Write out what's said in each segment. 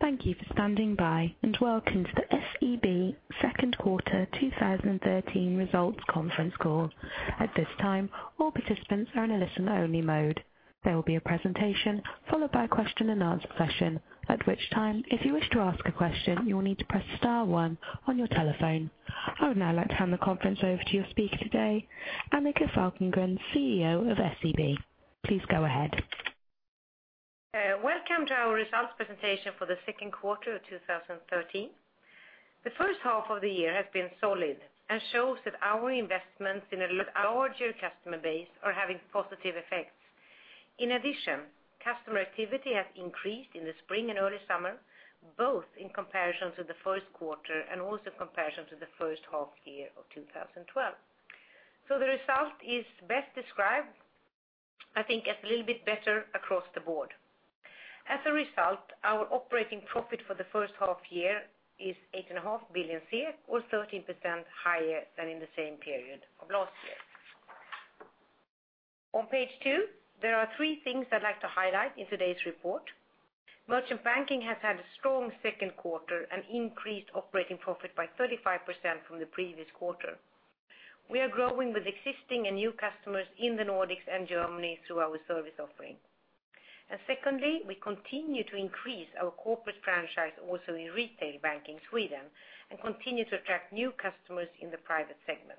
Thank you for standing by, and welcome to the SEB second quarter 2013 results conference call. At this time, all participants are in a listen-only mode. There will be a presentation followed by a question and answer session, at which time if you wish to ask a question, you will need to press star one on your telephone. I would now like to hand the conference over to your speaker today, Annika Falkengren, CEO of SEB. Please go ahead. Welcome to our results presentation for the second quarter of 2013. The first half of the year has been solid and shows that our investments in a larger customer base are having positive effects. In addition, customer activity has increased in the spring and early summer, both in comparison to the first quarter and also comparison to the first half year of 2012. The result is best described, I think, as a little bit better across the board. As a result, our operating profit for the first half year is 8.5 billion SEK, or 13% higher than in the same period of last year. On page two, there are three things I'd like to highlight in today's report. Merchant Banking has had a strong second quarter and increased operating profit by 35% from the previous quarter. We are growing with existing and new customers in the Nordics and Germany through our service offering. Secondly, we continue to increase our corporate franchise also in Retail Banking Sweden, and continue to attract new customers in the private segment.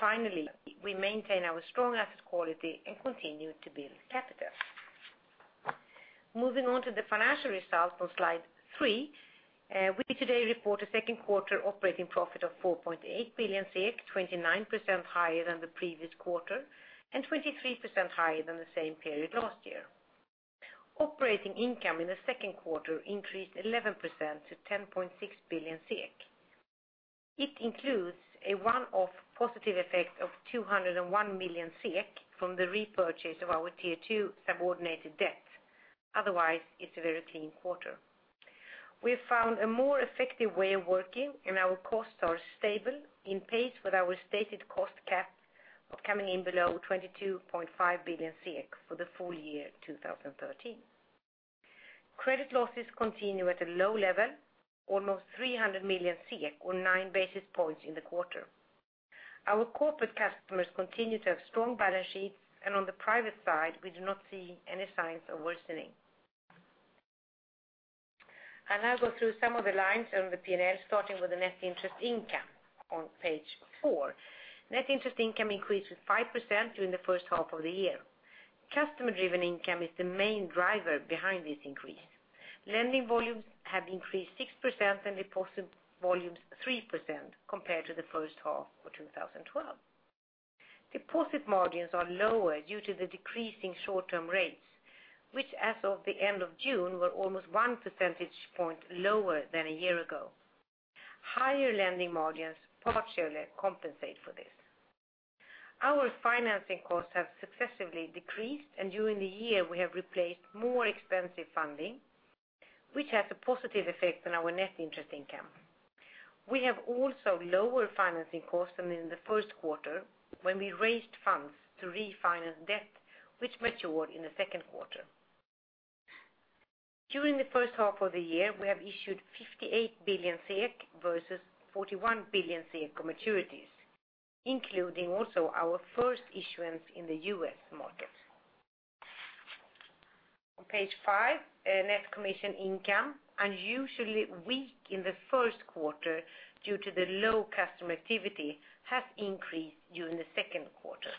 Finally, we maintain our strong asset quality and continue to build capital. Moving on to the financial results on slide three. We today report a second quarter operating profit of 4.8 billion SEK, 29% higher than the previous quarter and 23% higher than the same period last year. Operating income in the second quarter increased 11% to 10.6 billion SEK. It includes a one-off positive effect of 201 million SEK from the repurchase of our Tier 2 subordinated debt. Otherwise, it's a very clean quarter. We have found a more effective way of working, and our costs are stable in pace with our stated cost cap of coming in below 22.5 billion for the full year 2013. Credit losses continue at a low level, almost 300 million SEK or nine basis points in the quarter. Our corporate customers continue to have strong balance sheets, and on the private side, we do not see any signs of worsening. I'll now go through some of the lines on the P&L, starting with the net interest income on page four. Net interest income increased to 5% during the first half of the year. Customer-driven income is the main driver behind this increase. Lending volumes have increased 6% and deposit volumes 3% compared to the first half of 2012. Deposit margins are lower due to the decreasing short-term rates, which as of the end of June, were almost one percentage point lower than a year ago. Higher lending margins partially compensate for this. Our financing costs have successively decreased, and during the year we have replaced more expensive funding, which has a positive effect on our net interest income. We have also lower financing costs than in the first quarter when we raised funds to refinance debt, which matured in the second quarter. During the first half of the year, we have issued 58 billion versus 41 billion on maturities, including also our first issuance in the U.S. market. On page five, net commission income, unusually weak in the first quarter due to the low customer activity, has increased during the second quarter.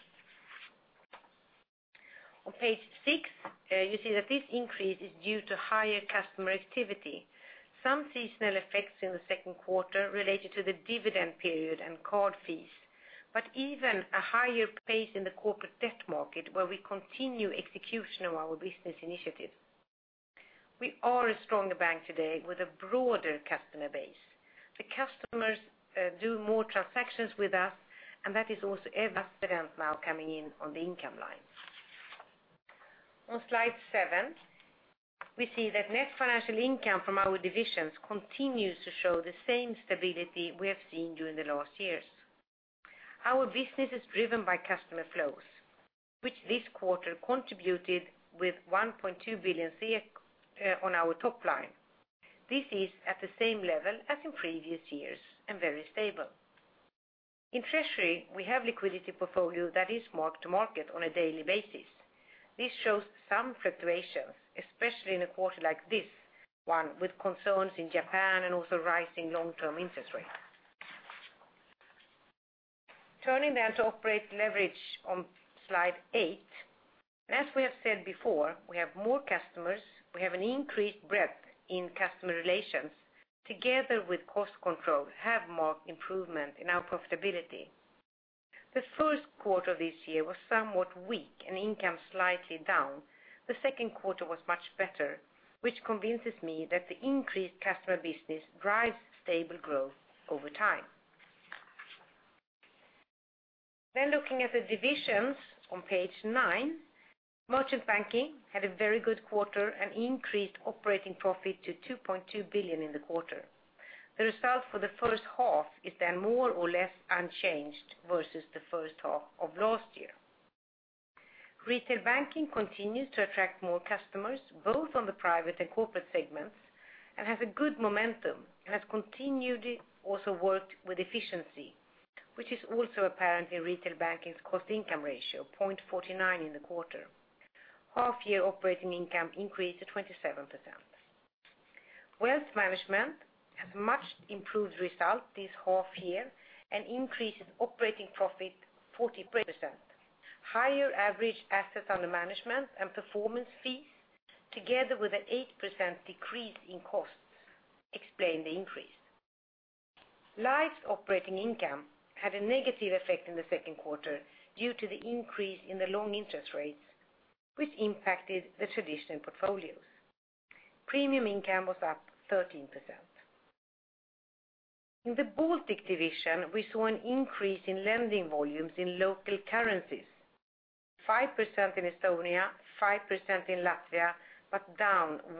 On page six, you see that this increase is due to higher customer activity. Some seasonal effects in the second quarter related to the dividend period and card fees, but even a higher pace in the corporate debt market where we continue execution of our business initiatives. We are a stronger bank today with a broader customer base. The customers do more transactions with us, and that is also evident now coming in on the income line. On slide seven, we see that net financial income from our divisions continues to show the same stability we have seen during the last years. Our business is driven by customer flows, which this quarter contributed with 1.2 billion on our top line. This is at the same level as in previous years and very stable. In treasury, we have liquidity portfolio that is marked to market on a daily basis. This shows some fluctuations, especially in a quarter like this one, with concerns in Japan and also rising long-term interest rates. Turning to operating leverage on slide eight. As we have said before, we have more customers. We have an increased breadth in customer relations, together with cost control have marked improvement in our profitability. The first quarter of this year was somewhat weak and income slightly down. The second quarter was much better, which convinces me that the increased customer business drives stable growth over time. Looking at the divisions on page nine, Merchant Banking had a very good quarter and increased operating profit to 2.2 billion in the quarter. The result for the first half is then more or less unchanged versus the first half of last year. Retail Banking continues to attract more customers, both on the private and corporate segments, and has a good momentum and has continued also worked with efficiency, which is also apparent in Retail Banking's cost-income ratio, 0.49 in the quarter. Half year operating income increased to 27%. Wealth Management has much improved result this half year and increases operating profit 40%. Higher average assets under management and performance fees together with an 8% decrease in costs explain the increase. Life operating income had a negative effect in the second quarter due to the increase in the long interest rates, which impacted the traditional portfolios. Premium income was up 13%. In the Baltic division, we saw an increase in lending volumes in local currencies, 5% in Estonia, 5% in Latvia, but down 1%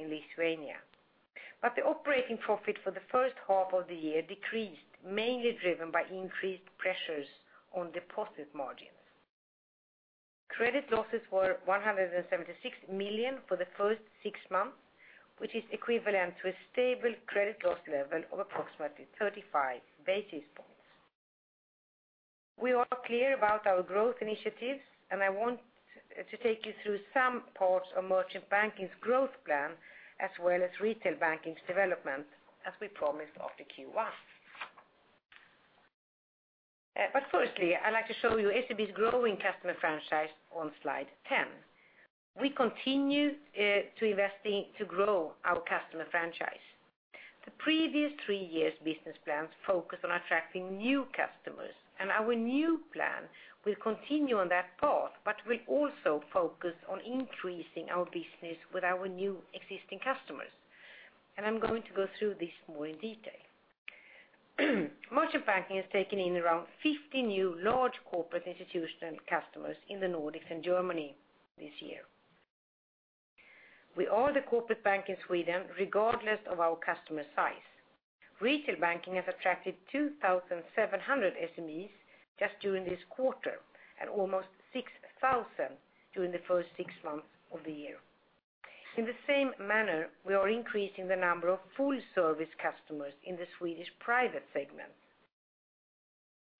in Lithuania. The operating profit for the first half of the year decreased, mainly driven by increased pressures on deposit margins. Credit losses were 176 million for the first six months, which is equivalent to a stable credit loss level of approximately 35 basis points. We are clear about our growth initiatives, and I want to take you through some parts of merchant banking's growth plan as well as retail banking's development, as we promised after Q1. Firstly, I'd like to show you SEB's growing customer franchise on slide 10. We continue to grow our customer franchise. The previous three years business plans focus on attracting new customers, and our new plan will continue on that path, but will also focus on increasing our business with our new existing customers. I'm going to go through this more in detail. Merchant banking has taken in around 50 new large corporate institutional customers in the Nordics and Germany this year. We are the corporate bank in Sweden, regardless of our customer size. Retail banking has attracted 2,700 SMEs just during this quarter and almost 6,000 during the first six months of the year. In the same manner, we are increasing the number of full service customers in the Swedish private segment.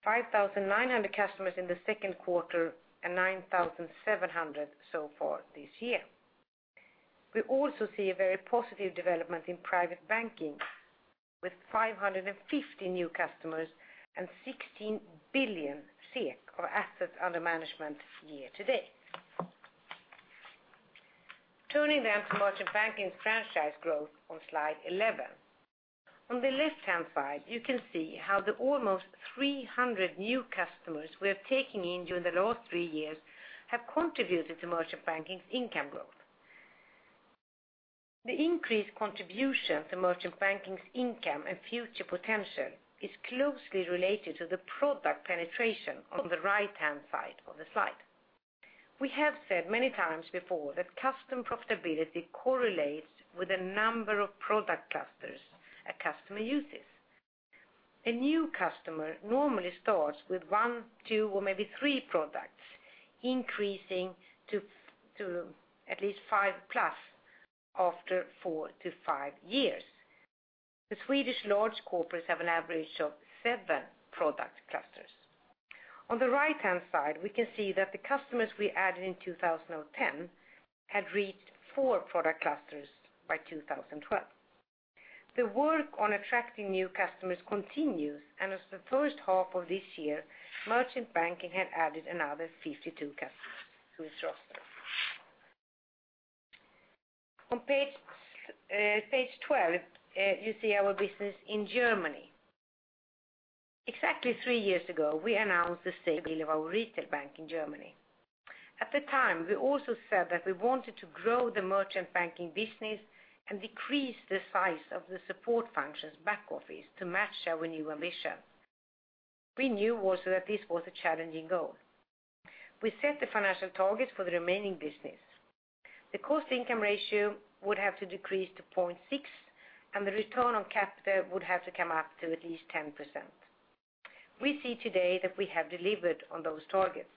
5,900 customers in the second quarter and 9,700 so far this year. We also see a very positive development in private banking with 550 new customers and 16 billion SEK of assets under management year to date. Turning to merchant banking's franchise growth on slide 11. On the left-hand side, you can see how the almost 300 new customers we have taken in during the last three years have contributed to merchant banking's income growth. The increased contribution to merchant banking's income and future potential is closely related to the product penetration on the right-hand side of the slide. We have said many times before that customer profitability correlates with the number of product clusters a customer uses. A new customer normally starts with one, two, or maybe three products, increasing to at least 5+ after four to five years. The Swedish large corporates have an average of seven product clusters. On the right-hand side, we can see that the customers we added in 2010 had reached four product clusters by 2012. The work on attracting new customers continues, and as the first half of this year, merchant banking had added another 52 customers to its roster. On page 12, you see our business in Germany. Exactly three years ago, we announced the sale of our retail bank in Germany. At the time, we also said that we wanted to grow the merchant banking business and decrease the size of the support functions back-office to match our new ambition. We knew also that this was a challenging goal. We set the financial targets for the remaining business. The cost-income ratio would have to decrease to 0.6, and the return on capital would have to come up to at least 10%. We see today that we have delivered on those targets.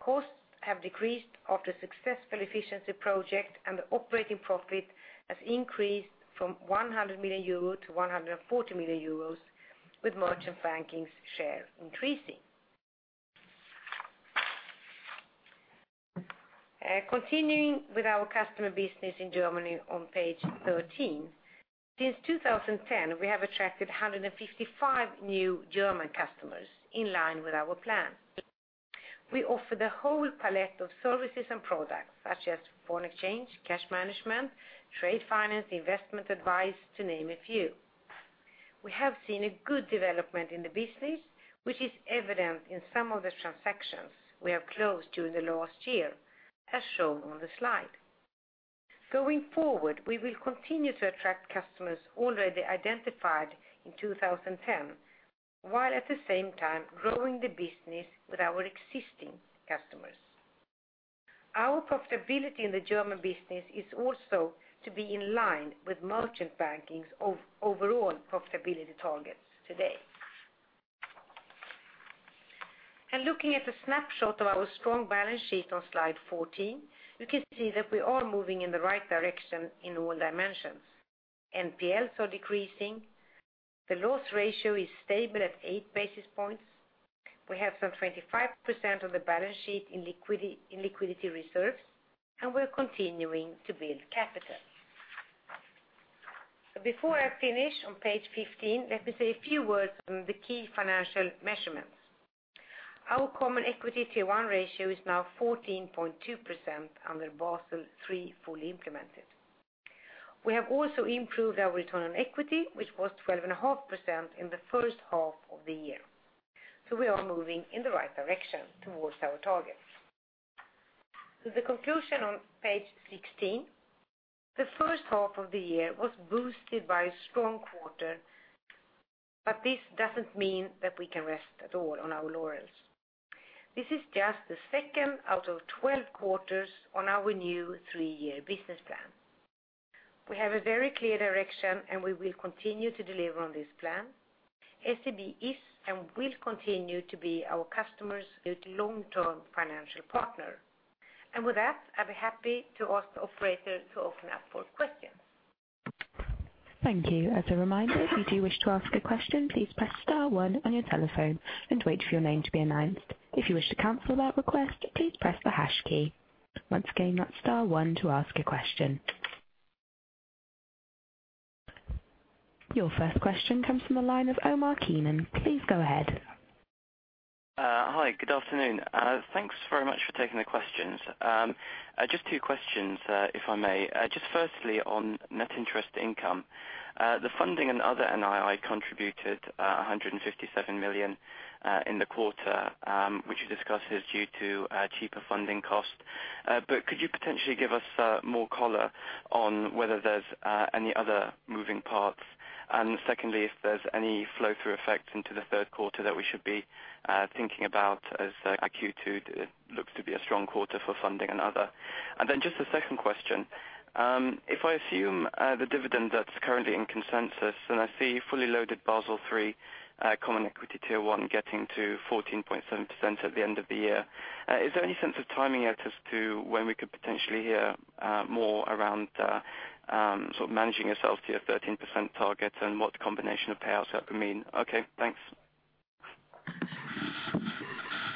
Costs have decreased after a successful efficiency project, and the operating profit has increased from 100 million-140 million euros, with merchant banking's share increasing. Continuing with our customer business in Germany on page 13. Since 2010, we have attracted 155 new German customers in line with our plan. We offer the whole palette of services and products such as foreign exchange, cash management, trade finance, investment advice, to name a few. We have seen a good development in the business, which is evident in some of the transactions we have closed during the last year, as shown on the slide. Going forward, we will continue to attract customers already identified in 2010, while at the same time growing the business with our existing customers. Our profitability in the German business is also to be in line with Merchant Banking's overall profitability targets today. Looking at the snapshot of our strong balance sheet on slide 14, you can see that we are moving in the right direction in all dimensions. NPLs are decreasing. The loss ratio is stable at 8 basis points. We have some 25% of the balance sheet in liquidity reserves, and we are continuing to build capital. Before I finish on page 15, let me say a few words on the key financial measurements. Our Common Equity Tier 1 ratio is now 14.2% under Basel III fully implemented. We have also improved our return on equity, which was 12.5% in the first half of the year. We are moving in the right direction towards our targets. The conclusion on page 16, the first half of the year was boosted by a strong quarter, but this doesn't mean that we can rest at all on our laurels. This is just the second out of 12 quarters on our new three-year business plan. We have a very clear direction, and we will continue to deliver on this plan. SEB is and will continue to be our customers' long-term financial partner. And with that, I will be happy to ask the operator to open up for questions. Thank you. As a reminder, if you do wish to ask a question, please press star one on your telephone and wait for your name to be announced. If you wish to cancel that request, please press the hash key. Once again, that's star one to ask a question. Your first question comes from the line of Omar Keenan. Please go ahead. Hi, good afternoon. Thanks very much for taking the questions. Just two questions, if I may. Just firstly, on net interest income, the funding and other NII contributed 157 million in the quarter, which you discuss is due to cheaper funding costs. Could you potentially give us more color on whether there's any other moving parts? Secondly, if there's any flow-through effect into the third quarter that we should be thinking about as Q2 looks to be a strong quarter for funding and other. Just a second question. If I assume the dividend that's currently in consensus, I see fully loaded Basel III Common Equity Tier 1 getting to 14.7% at the end of the year, is there any sense of timing as to when we could potentially hear more around managing yourself to your 13% targets and what combination of payouts that could mean? Okay, thanks.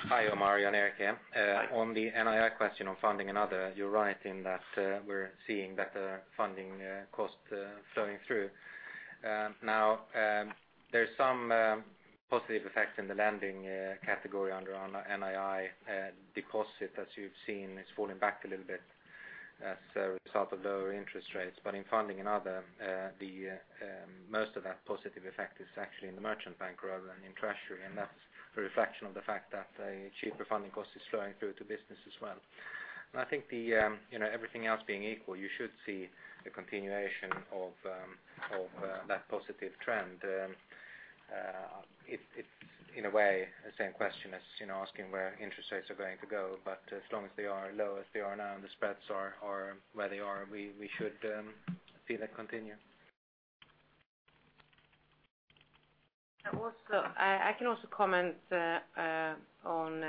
Hi, Omar. Jan Erik here. Hi. On the NII question on funding and other, you're right in that we're seeing better funding costs flowing through. There's some positive effects in the lending category under NII. Deposit, as you've seen, is falling back a little bit as a result of lower interest rates. In funding and other, most of that positive effect is actually in the merchant bank rather than in treasury, and that's a reflection of the fact that cheaper funding costs is flowing through to business as well. I think everything else being equal, you should see the continuation of that positive trend. It's in a way the same question as asking where interest rates are going to go. As long as they are low as they are now, and the spreads are where they are, we should see that continue. I can also comment on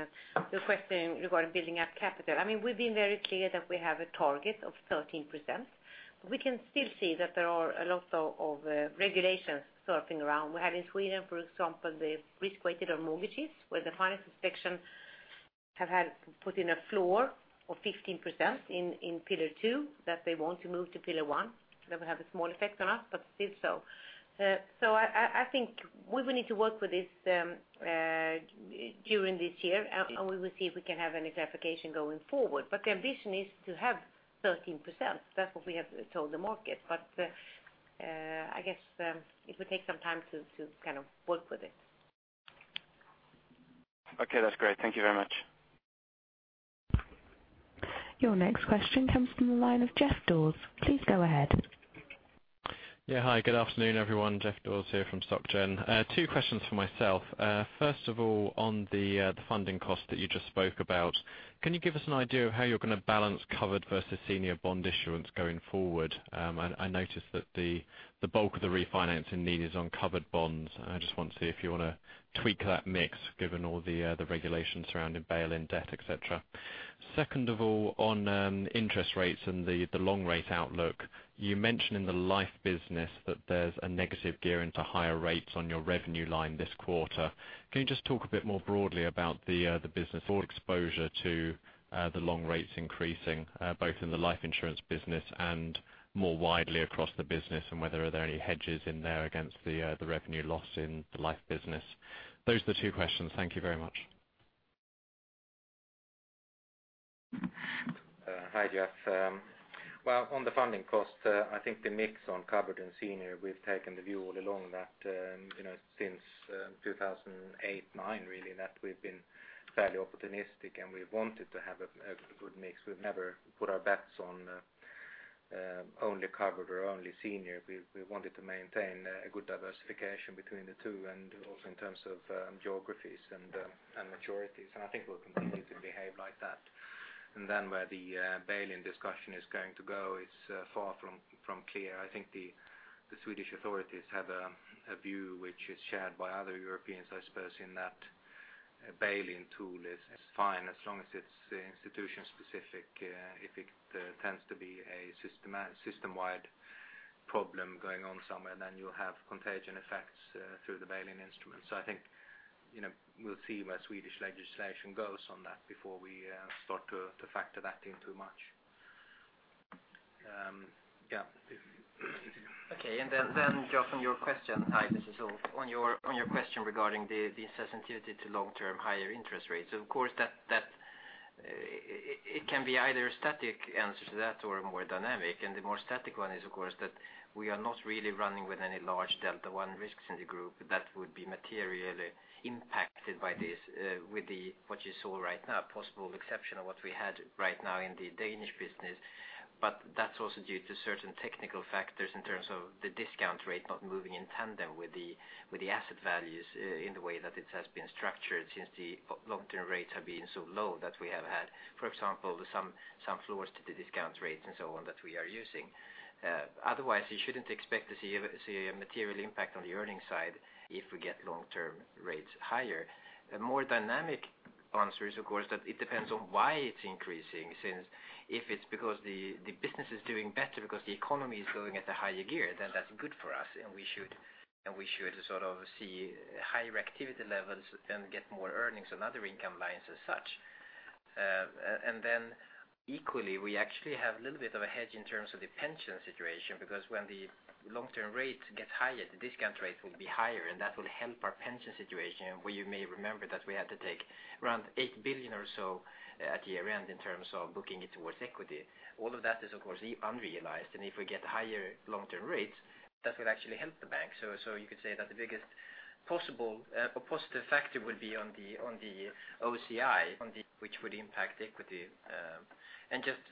the question regarding building up capital. We've been very clear that we have a target of 13%, but we can still see that there are a lot of regulations surfing around. We have in Sweden, for example, the risk weighting of mortgages, where the Finansinspektionen have put in a floor of 15% in Pillar 2 that they want to move to Pillar 1. That will have a small effect on us, but still so. I think we will need to work with this during this year, and we will see if we can have any clarification going forward. The ambition is to have 13%. That's what we have told the market. I guess it will take some time to work with it. Okay, that's great. Thank you very much. Your next question comes from the line of Geoff Dawes. Please go ahead. Hi, good afternoon, everyone. Geoff Dawes here from SocGen. 2 questions from myself. First of all, on the funding cost that you just spoke about, can you give us an idea of how you're going to balance covered versus senior bond issuance going forward? I noticed that the bulk of the refinancing need is on covered bonds. I just want to see if you want to tweak that mix given all the regulations surrounding bail-in debt, et cetera. Second of all, on interest rates and the long rate outlook, you mentioned in the life business that there's a negative gearing to higher rates on your revenue line this quarter. Can you just talk a bit more broadly about the business or exposure to the long rates increasing both in the life insurance business and more widely across the business, and whether are there any hedges in there against the revenue loss in the life business? Those are the two questions. Thank you very much. Hi, Geoff. Well, on the funding cost, I think the mix on covered and senior, we've taken the view all along that since 2008, 2009, really, that we've been fairly opportunistic. We wanted to have a good mix. We've never put our bets on Only covered or only senior. We wanted to maintain a good diversification between the two, also in terms of geographies and maturities. I think we'll continue to behave like that. Then where the bail-in discussion is going to go is far from clear. I think the Swedish authorities have a view which is shared by other Europeans, I suppose, in that a bail-in tool is fine as long as it's institution specific. If it tends to be a system-wide problem going on somewhere, then you'll have contagion effects through the bail-in instrument. I think we'll see where Swedish legislation goes on that before we start to factor that in too much. Yeah. Okay. Then, Jonathan, your question. Hi, this is Ulf. On your question regarding the sensitivity to long-term higher interest rates, of course, it can be either a static answer to that or a more dynamic. The more static one is, of course, that we are not really running with any large delta one risks in the group that would be materially impacted by this with what you saw right now, possible exception of what we had right now in the Danish business. That's also due to certain technical factors in terms of the discount rate not moving in tandem with the asset values in the way that it has been structured since the long-term rates have been so low that we have had, for example, some floors to the discount rates and so on that we are using. Otherwise, you shouldn't expect to see a material impact on the earnings side if we get long-term rates higher. A more dynamic answer is, of course, that it depends on why it's increasing, since if it's because the business is doing better because the economy is going at a higher gear, then that's good for us, and we should see higher activity levels and get more earnings on other income lines as such. Equally, we actually have a little bit of a hedge in terms of the pension situation, because when the long-term rates get higher, the discount rate will be higher, and that will help our pension situation, where you may remember that we had to take around 8 billion or so at year-end in terms of booking it towards equity. All of that is, of course, unrealized, and if we get higher long-term rates, that will actually help the bank. You could say that the biggest possible positive factor would be on the OCI, which would impact equity. Just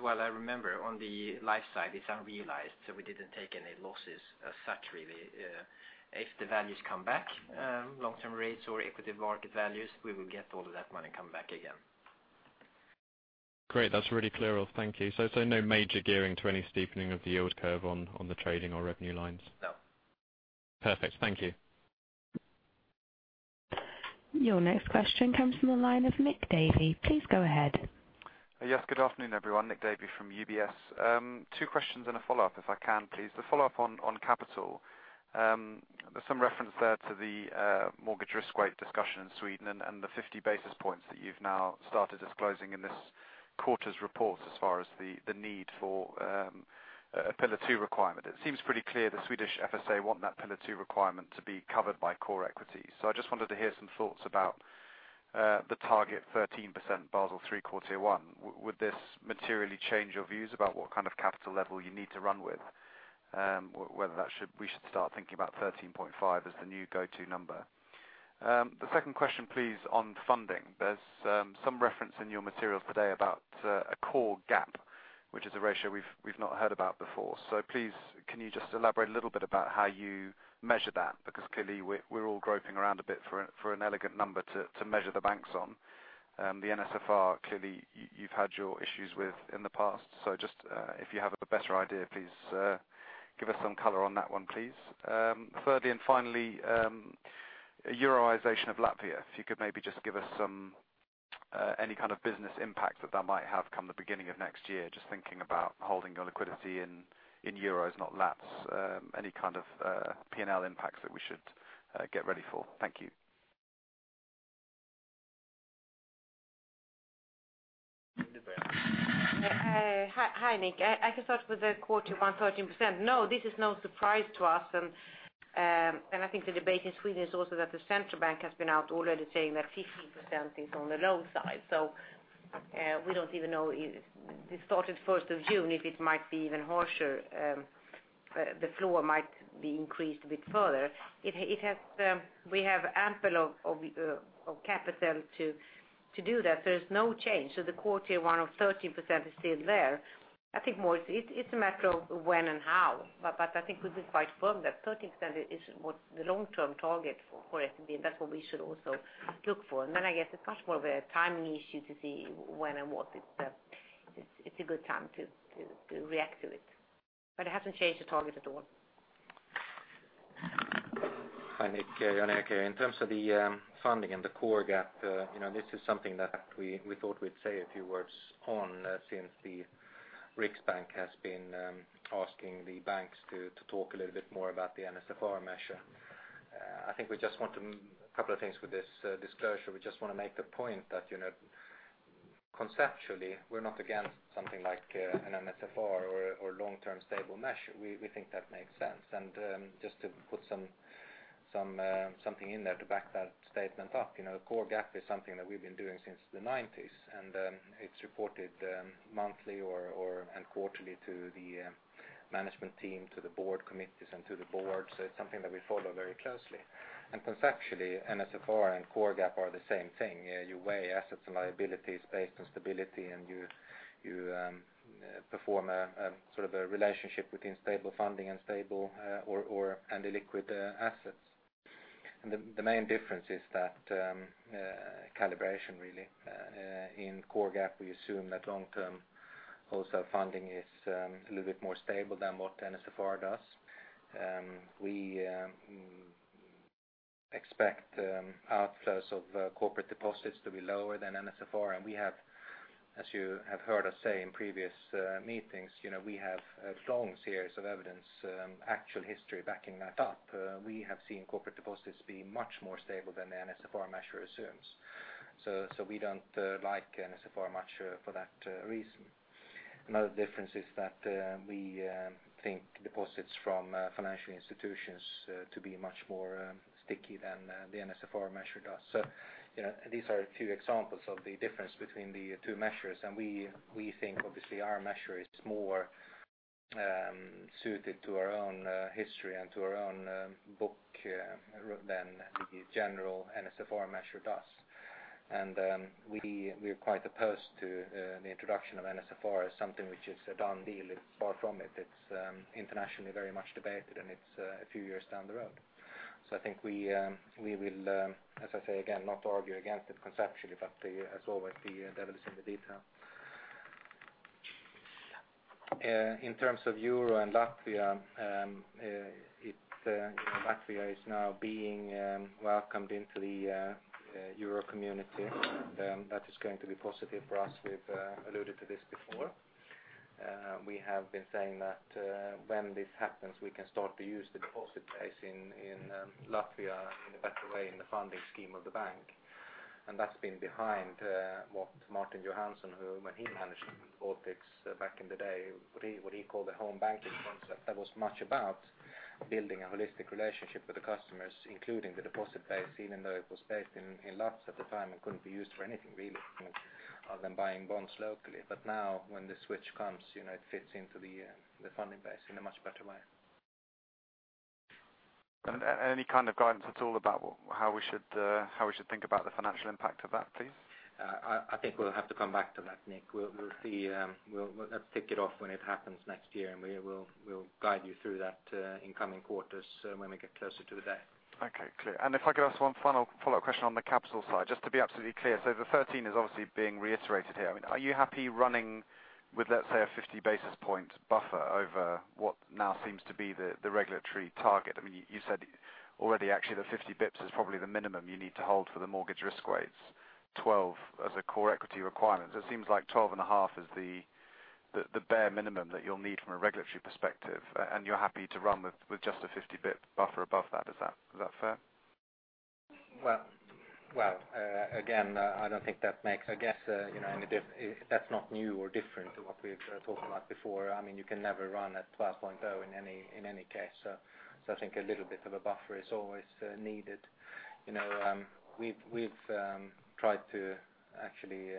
while I remember, on the life side, it's unrealized, so we didn't take any losses as such, really. If the values come back, long-term rates or equity market values, we will get all of that money coming back again. Great. That's really clear, Ulf. Thank you. No major gearing to any steepening of the yield curve on the trading or revenue lines. No. Perfect. Thank you. Your next question comes from the line of Nick Davey. Please go ahead. Yes. Good afternoon, everyone. Nick Davey from UBS. Two questions and a follow-up if I can please. The follow-up on capital. There is some reference there to the mortgage risk weight discussion in Sweden and the 50 basis points that you have now started disclosing in this quarter's report as far as the need for a Pillar 2 requirement. It seems pretty clear the Swedish FSA want that Pillar 2 requirement to be covered by core equity. I just wanted to hear some thoughts about the target 13% Basel III quarter one. Would this materially change your views about what kind of capital level you need to run with? Whether we should start thinking about 13.5% as the new go-to number. The second question, please, on funding. There is some reference in your materials today about a core gap, which is a ratio we have not heard about before. Please, can you just elaborate a little bit about how you measure that? Because clearly we are all groping around a bit for an elegant number to measure the banks on. The NSFR, clearly you have had your issues with in the past. Just if you have a better idea, please give us some color on that one, please. Thirdly, finally, euroization of Latvia. If you could maybe just give us any kind of business impact that that might have come the beginning of next year. Just thinking about holding your liquidity in EUR, not lats. Any kind of P&L impacts that we should get ready for. Thank you. Hi, Nick. I can start with the quarter one 13%. No, this is no surprise to us. I think the debate in Sweden is also that the Riksbank has been out already saying that 15% is on the low side. We do not even know. This started 1st of June, if it might be even harsher, the floor might be increased a bit further. We have ample of capital to do that. There is no change. The quarter one of 13% is still there. I think more it is a matter of when and how, but I think we have been quite firm that 13% is what the long-term target for SEB, and that is what we should also look for. Then I guess it is much more of a timing issue to see when and what it is a good time to react to it. It hasn't changed the target at all. Hi, Nick. Jan Erik here. In terms of the funding and the core gap, this is something that we thought we'd say a few words on since the Riksbank has been asking the banks to talk a little bit more about the NSFR measure. We just want a couple of things with this disclosure. We just want to make the point that conceptually, we're not against something like an NSFR or long-term stable measure. We think that makes sense. Just to put something in there to back that statement up. Core gap is something that we've been doing since the '90s, and it's reported monthly and quarterly to the Management team to the board committees and to the board. It's something that we follow very closely. Conceptually, NSFR and core gap are the same thing. You weigh assets and liabilities based on stability, and you perform a relationship between stable funding and stable or illiquid assets. The main difference is that calibration, really. In core gap, we assume that long-term wholesale funding is a little bit more stable than what NSFR does. We expect outflows of corporate deposits to be lower than NSFR. We have, as you have heard us say in previous meetings, we have a long series of evidence, actual history backing that up. We have seen corporate deposits be much more stable than the NSFR measure assumes. We don't like NSFR much for that reason. Another difference is that we think deposits from financial institutions to be much more sticky than the NSFR measure does. These are a few examples of the difference between the two measures. We think obviously our measure is more suited to our own history and to our own book than the general NSFR measure does. We are quite opposed to the introduction of NSFR as something which is a done deal. It's far from it. It's internationally very much debated, and it's a few years down the road. I think we will, as I say, again, not argue against it conceptually, but as always, the devil is in the detail. In terms of euro and Latvia is now being welcomed into the euro community. That is going to be positive for us. We've alluded to this before. We have been saying that when this happens, we can start to use the deposit base in Latvia in a better way in the funding scheme of the bank. That's been behind what Martin Johansson, who when he managed Baltics back in the day, what he called the home banking concept, that was much about building a holistic relationship with the customers, including the deposit base, even though it was based in lats at the time and couldn't be used for anything really other than buying bonds locally. Now when the switch comes, it fits into the funding base in a much better way. Any kind of guidance at all about how we should think about the financial impact of that, please? I think we'll have to come back to that, Nick. Let's tick it off when it happens next year, and we'll guide you through that in coming quarters when we get closer to the day. Okay, clear. If I could ask one final follow-up question on the capital side, just to be absolutely clear. The 13 is obviously being reiterated here. Are you happy running with, let's say, a 50 basis point buffer over what now seems to be the regulatory target? You said already actually that 50 basis points is probably the minimum you need to hold for the mortgage risk weights, 12 as a core equity requirement. It seems like 12.5 is the bare minimum that you'll need from a regulatory perspective, and you're happy to run with just a 50 basis point buffer above that. Is that fair? Again, I don't think that makes, I guess, that's not new or different to what we've talked about before. You can never run at 12.0 in any case. I think a little bit of a buffer is always needed. We've tried to actually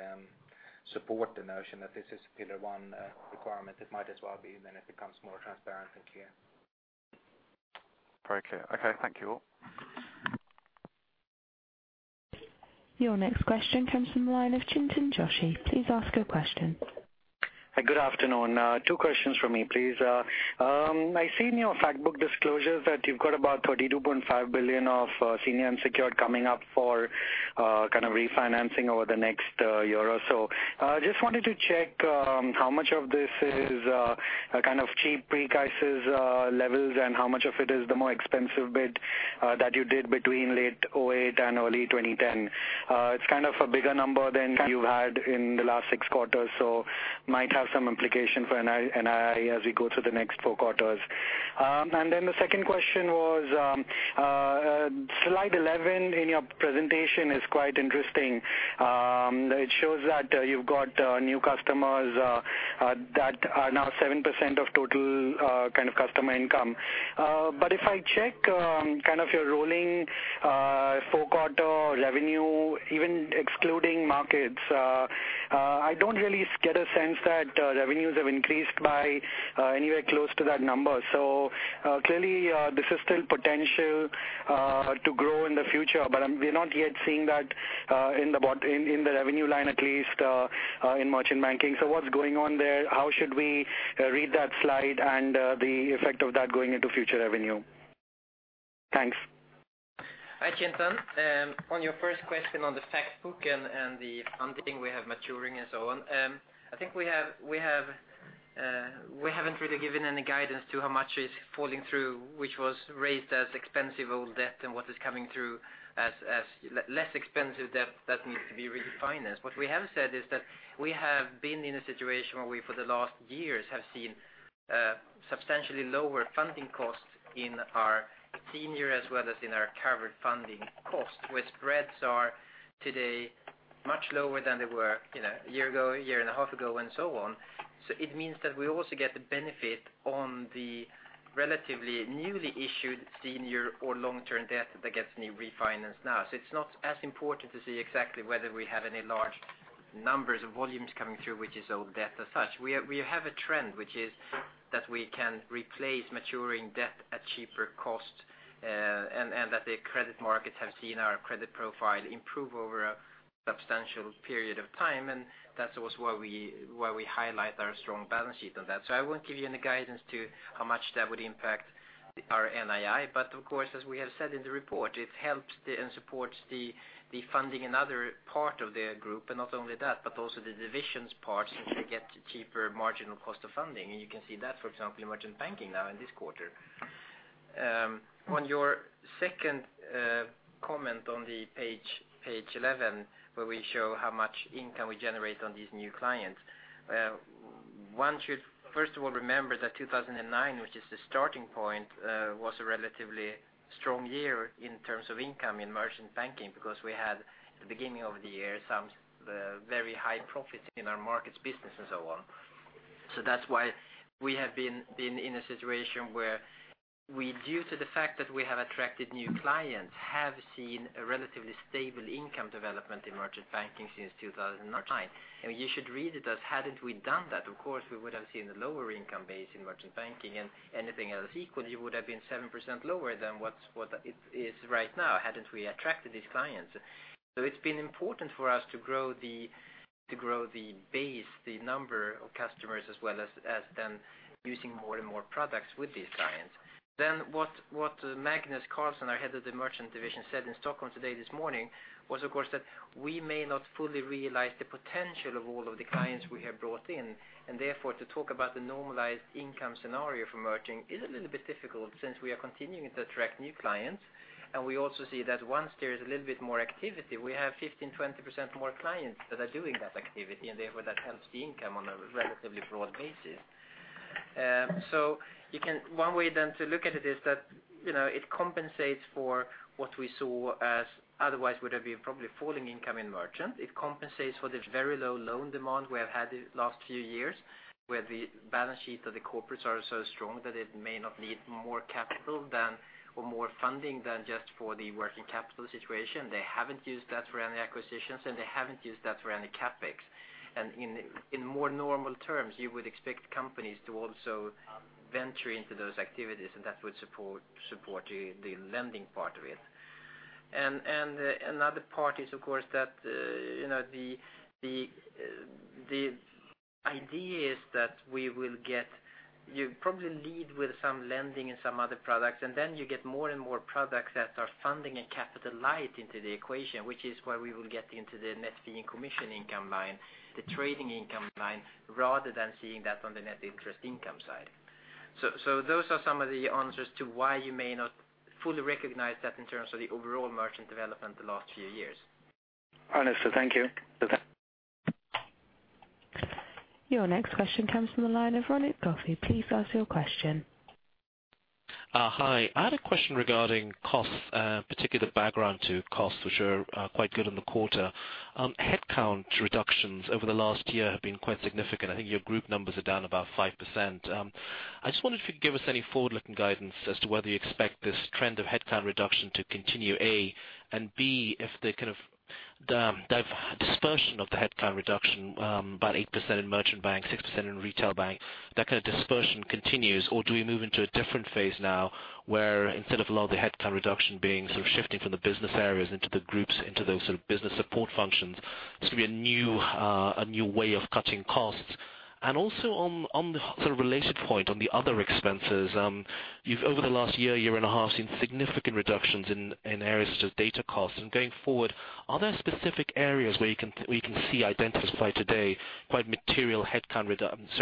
support the notion that this is a Pillar 1 requirement. It might as well be, then it becomes more transparent and clear. Very clear. Okay. Thank you. Your next question comes from the line of Chintan Joshi. Please ask your question. Hi, good afternoon. Two questions from me, please. I see in your fact book disclosures that you've got about 32.5 billion of senior unsecured coming up for refinancing over the next year or so. Just wanted to check how much of this is cheap pre-crisis levels and how much of it is the more expensive bit that you did between late 2008 and early 2010. It's a bigger number than you've had in the last six quarters, so might have some implication for NII as we go through the next four quarters. The second question was, slide 11 in your presentation is quite interesting. It shows that you've got new customers that are now 7% of total customer income. But if I check your rolling four-quarter revenue, even excluding markets, I don't really get a sense that revenues have increased by anywhere close to that number. Clearly, this is still potential to grow in the future, but we're not yet seeing that in the revenue line, at least, in merchant banking. What's going on there? How should we read that slide and the effect of that going into future revenue? Thanks. Hi, Chintan. On your first question on the fact book and the funding we have maturing and so on. I think we haven't really given any guidance to how much is falling through, which was raised as expensive old debt and what is coming through as less expensive debt that needs to be refinanced. What we have said is that we have been in a situation where we, for the last years, have seen substantially lower funding costs in our senior as well as in our covered funding cost, where spreads are today much lower than they were a year ago, a year and a half ago, and so on. It means that we also get the benefit on the relatively newly issued senior or long-term debt that gets any refinanced now. It's not as important to see exactly whether we have any large numbers of volumes coming through, which is all debt as such. We have a trend which is that we can replace maturing debt at cheaper cost, and that the credit markets have seen our credit profile improve over a substantial period of time, and that's also why we highlight our strong balance sheet on that. I won't give you any guidance to how much that would impact our NII. Of course, as we have said in the report, it helps and supports the funding another part of the group, and not only that, but also the divisions part since we get cheaper marginal cost of funding. You can see that, for example, in Merchant Banking now in this quarter. On your second comment on page 11, where we show how much income we generate on these new clients. One should, first of all, remember that 2009, which is the starting point, was a relatively strong year in terms of income in Merchant Banking, because we had the beginning of the year some very high profits in our markets business and so on. That's why we have been in a situation where we, due to the fact that we have attracted new clients, have seen a relatively stable income development in Merchant Banking since 2009. You should read it as, hadn't we done that, of course, we would have seen a lower income base in Merchant Banking and anything else equal, you would have been 7% lower than what it is right now, hadn't we attracted these clients. It's been important for us to grow the base, the number of customers, as well as then using more and more products with these clients. What Magnus Carlson, our Head of the Merchant division, said in Stockholm today this morning was, of course, that we may not fully realize the potential of all of the clients we have brought in, and therefore, to talk about the normalized income scenario for Merchant is a little bit difficult since we are continuing to attract new clients. We also see that once there is a little bit more activity, we have 15, 20% more clients that are doing that activity, and therefore that helps the income on a relatively broad basis. One way then to look at it is that it compensates for what we saw as otherwise would have been probably falling income in Merchant. It compensates for this very low loan demand we have had the last few years, where the balance sheets of the corporates are so strong that it may not need more capital than or more funding than just for the working capital situation. They haven't used that for any acquisitions, they haven't used that for any CapEx. In more normal terms, you would expect companies to also venture into those activities, and that would support the lending part of it. Another part is, of course, that the idea is that you probably lead with some lending and some other products, and then you get more and more products that are funding and capital light into the equation, which is where we will get into the net fee and commission income line, the trading income line, rather than seeing that on the net interest income side. Those are some of the answers to why you may not fully recognize that in terms of the overall merchant development the last few years. Understood. Thank you. Your next question comes from the line of Ronit Ghose. Please ask your question. Hi. I had a question regarding costs, particularly the background to costs, which are quite good in the quarter. Headcount reductions over the last year have been quite significant. I think your group numbers are down about 5%. I just wondered if you could give us any forward-looking guidance as to whether you expect this trend of headcount reduction to continue, A, and B, if the dispersion of the headcount reduction, about 8% in Merchant Banking, 6% in retail bank, that dispersion continues, or do we move into a different phase now where instead of a lot of the headcount reduction being shifting from the business areas into the groups, into those business support functions, there's going to be a new way of cutting costs? Also on the related point on the other expenses, you've over the last year and a half, seen significant reductions in areas such as data costs. Going forward, are there specific areas where you can see identified today quite material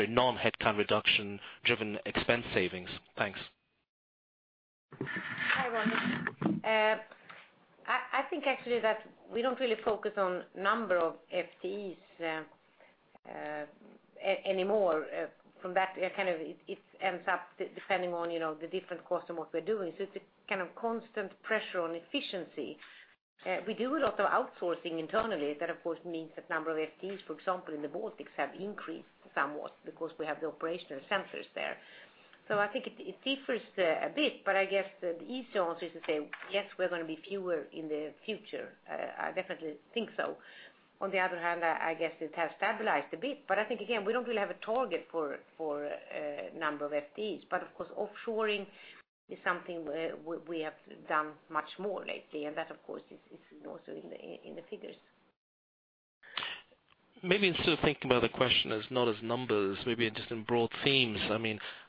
non-headcount reduction driven expense savings? Thanks. Hi, Ronit. I think actually that we don't really focus on number of FTEs anymore. From that, it ends up depending on the different cost and what we're doing. It's a constant pressure on efficiency. We do a lot of outsourcing internally. That, of course, means that number of FTEs, for example, in the Baltics have increased somewhat because we have the operational centers there. I think it differs a bit, but I guess the easy answer is to say, yes, we're going to be fewer in the future. I definitely think so. On the other hand, I guess it has stabilized a bit. I think, again, we don't really have a target for a number of FTEs. Of course, offshoring is something we have done much more lately, and that, of course, is also in the figures. Maybe instead of thinking about the question as not as numbers, maybe just in broad themes.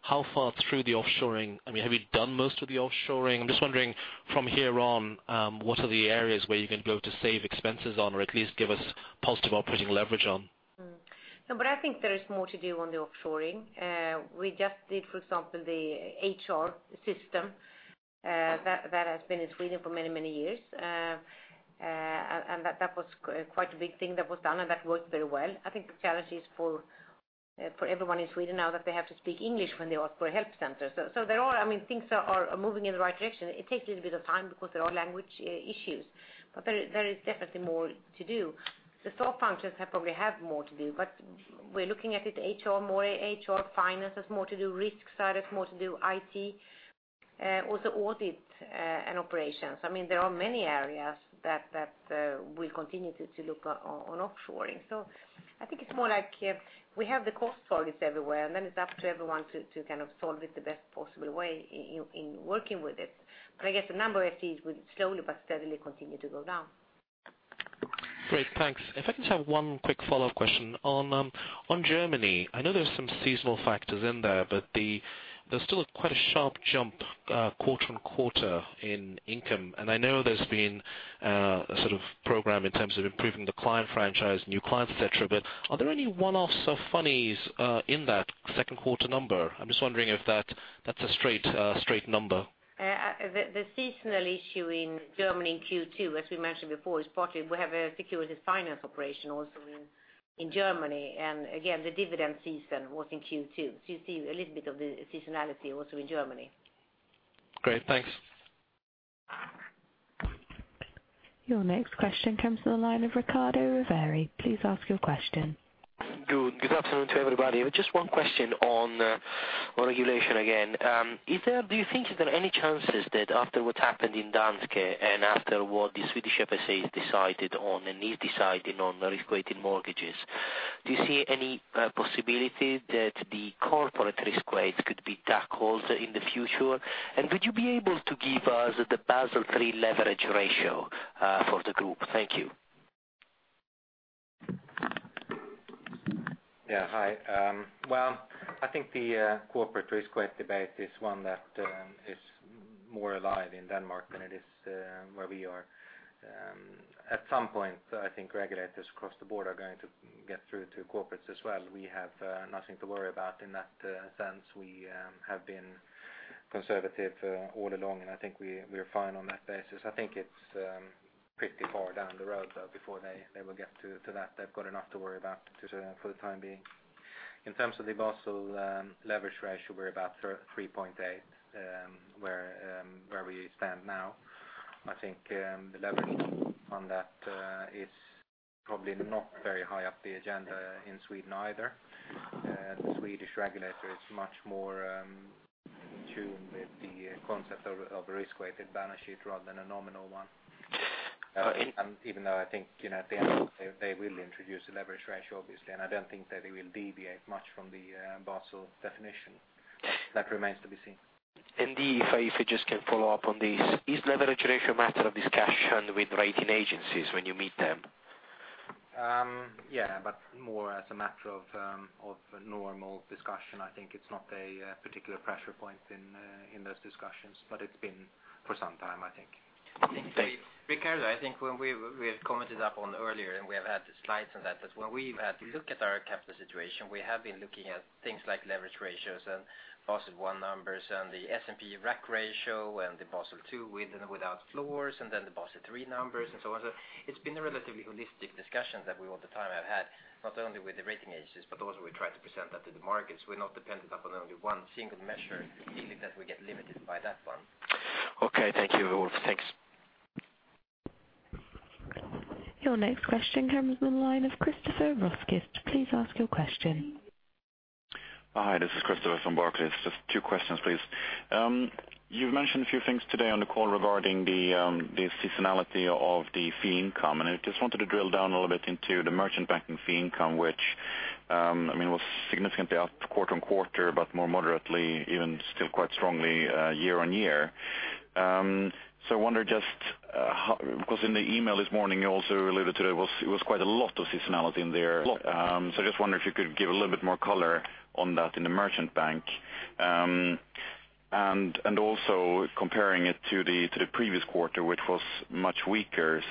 How far through the offshoring, have you done most of the offshoring? I'm just wondering from here on, what are the areas where you can go to save expenses on or at least give us positive operating leverage on? I think there is more to do on the offshoring. We just did, for example, the HR system that has been in Sweden for many, many years. That was quite a big thing that was done, and that worked very well. I think the challenge is for everyone in Sweden now that they have to speak English when they ask for a help center. Things are moving in the right direction. It takes a little bit of time because there are language issues, but there is definitely more to do. The staff functions probably have more to do, but we're looking at it HR. Finance has more to do. Risk side has more to do. IT Also audit and operations. There are many areas that we continue to look on offshoring. I think it's more like we have the cost for this everywhere, then it's up to everyone to solve it the best possible way in working with it. I guess the number of FTEs will slowly but steadily continue to go down. Great. Thanks. If I can just have one quick follow-up question on Germany. I know there's some seasonal factors in there, but there's still quite a sharp jump quarter-on-quarter in income. I know there's been a program in terms of improving the client franchise, new clients, et cetera, but are there any one-offs or funnies in that second quarter number? I'm just wondering if that's a straight number. The seasonal issue in Germany in Q2, as we mentioned before, is partly we have a securities finance operation also in Germany. Again, the dividend season was in Q2. You see a little bit of the seasonality also in Germany. Great. Thanks. Your next question comes to the line of Riccardo Rovere. Please ask your question. Good afternoon to everybody. Just one question on regulation again. Do you think there are any chances that after what happened in Danske and after what the Swedish FSA has decided on and is deciding on risk-weighted mortgages, do you see any possibility that the corporate risk weights could be tackled in the future? Would you be able to give us the Basel III leverage ratio for the group? Thank you. Yeah. Hi. Well, I think the corporate risk-weight debate is one that is more alive in Denmark than it is where we are. At some point, I think regulators across the board are going to get through to corporates as well. We have nothing to worry about in that sense. We have been conservative all along, and I think we're fine on that basis. I think it's pretty far down the road, though, before they will get to that. They've got enough to worry about for the time being. In terms of the Basel leverage ratio, we're about 3.8, where we stand now. I think the leverage on that is probably not very high up the agenda in Sweden either. The Swedish regulator is much more in tune with the concept of a risk-weighted balance sheet rather than a nominal one. I think, at the end of the day, they will introduce a leverage ratio, obviously, I don't think that it will deviate much from the Basel definition. That remains to be seen. If I just can follow up on this, is leverage ratio a matter of discussion with rating agencies when you meet them? Yeah, more as a matter of normal discussion. I think it's not a particular pressure point in those discussions. It's been for some time, I think. Thanks. Riccardo, I think when we commented up on earlier, we have had slides on that when we've had to look at our capital situation, we have been looking at things like leverage ratios and Basel I numbers and the S&P RAC ratio and the Basel II with and without floors, the Basel III numbers and so on. It's been a relatively holistic discussion that we all the time have had, not only with the rating agencies, we try to present that to the markets. We're not dependent upon only one single measure, feeling that we get limited by that one. Okay. Thank you. Your next question comes from the line of Christopher Rosquist. Please ask your question. Hi, this is Christopher from Barclays. Just two questions, please. You've mentioned a few things today on the call regarding the seasonality of the fee income, and I just wanted to drill down a little bit into the merchant banking fee income, which was significantly up quarter-on-quarter, but more moderately, even still quite strongly year-on-year. I wonder just, because in the email this morning, you also alluded to there was quite a lot of seasonality in there. I just wonder if you could give a little bit more color on that in the merchant bank. Also comparing it to the previous quarter, which was much weaker.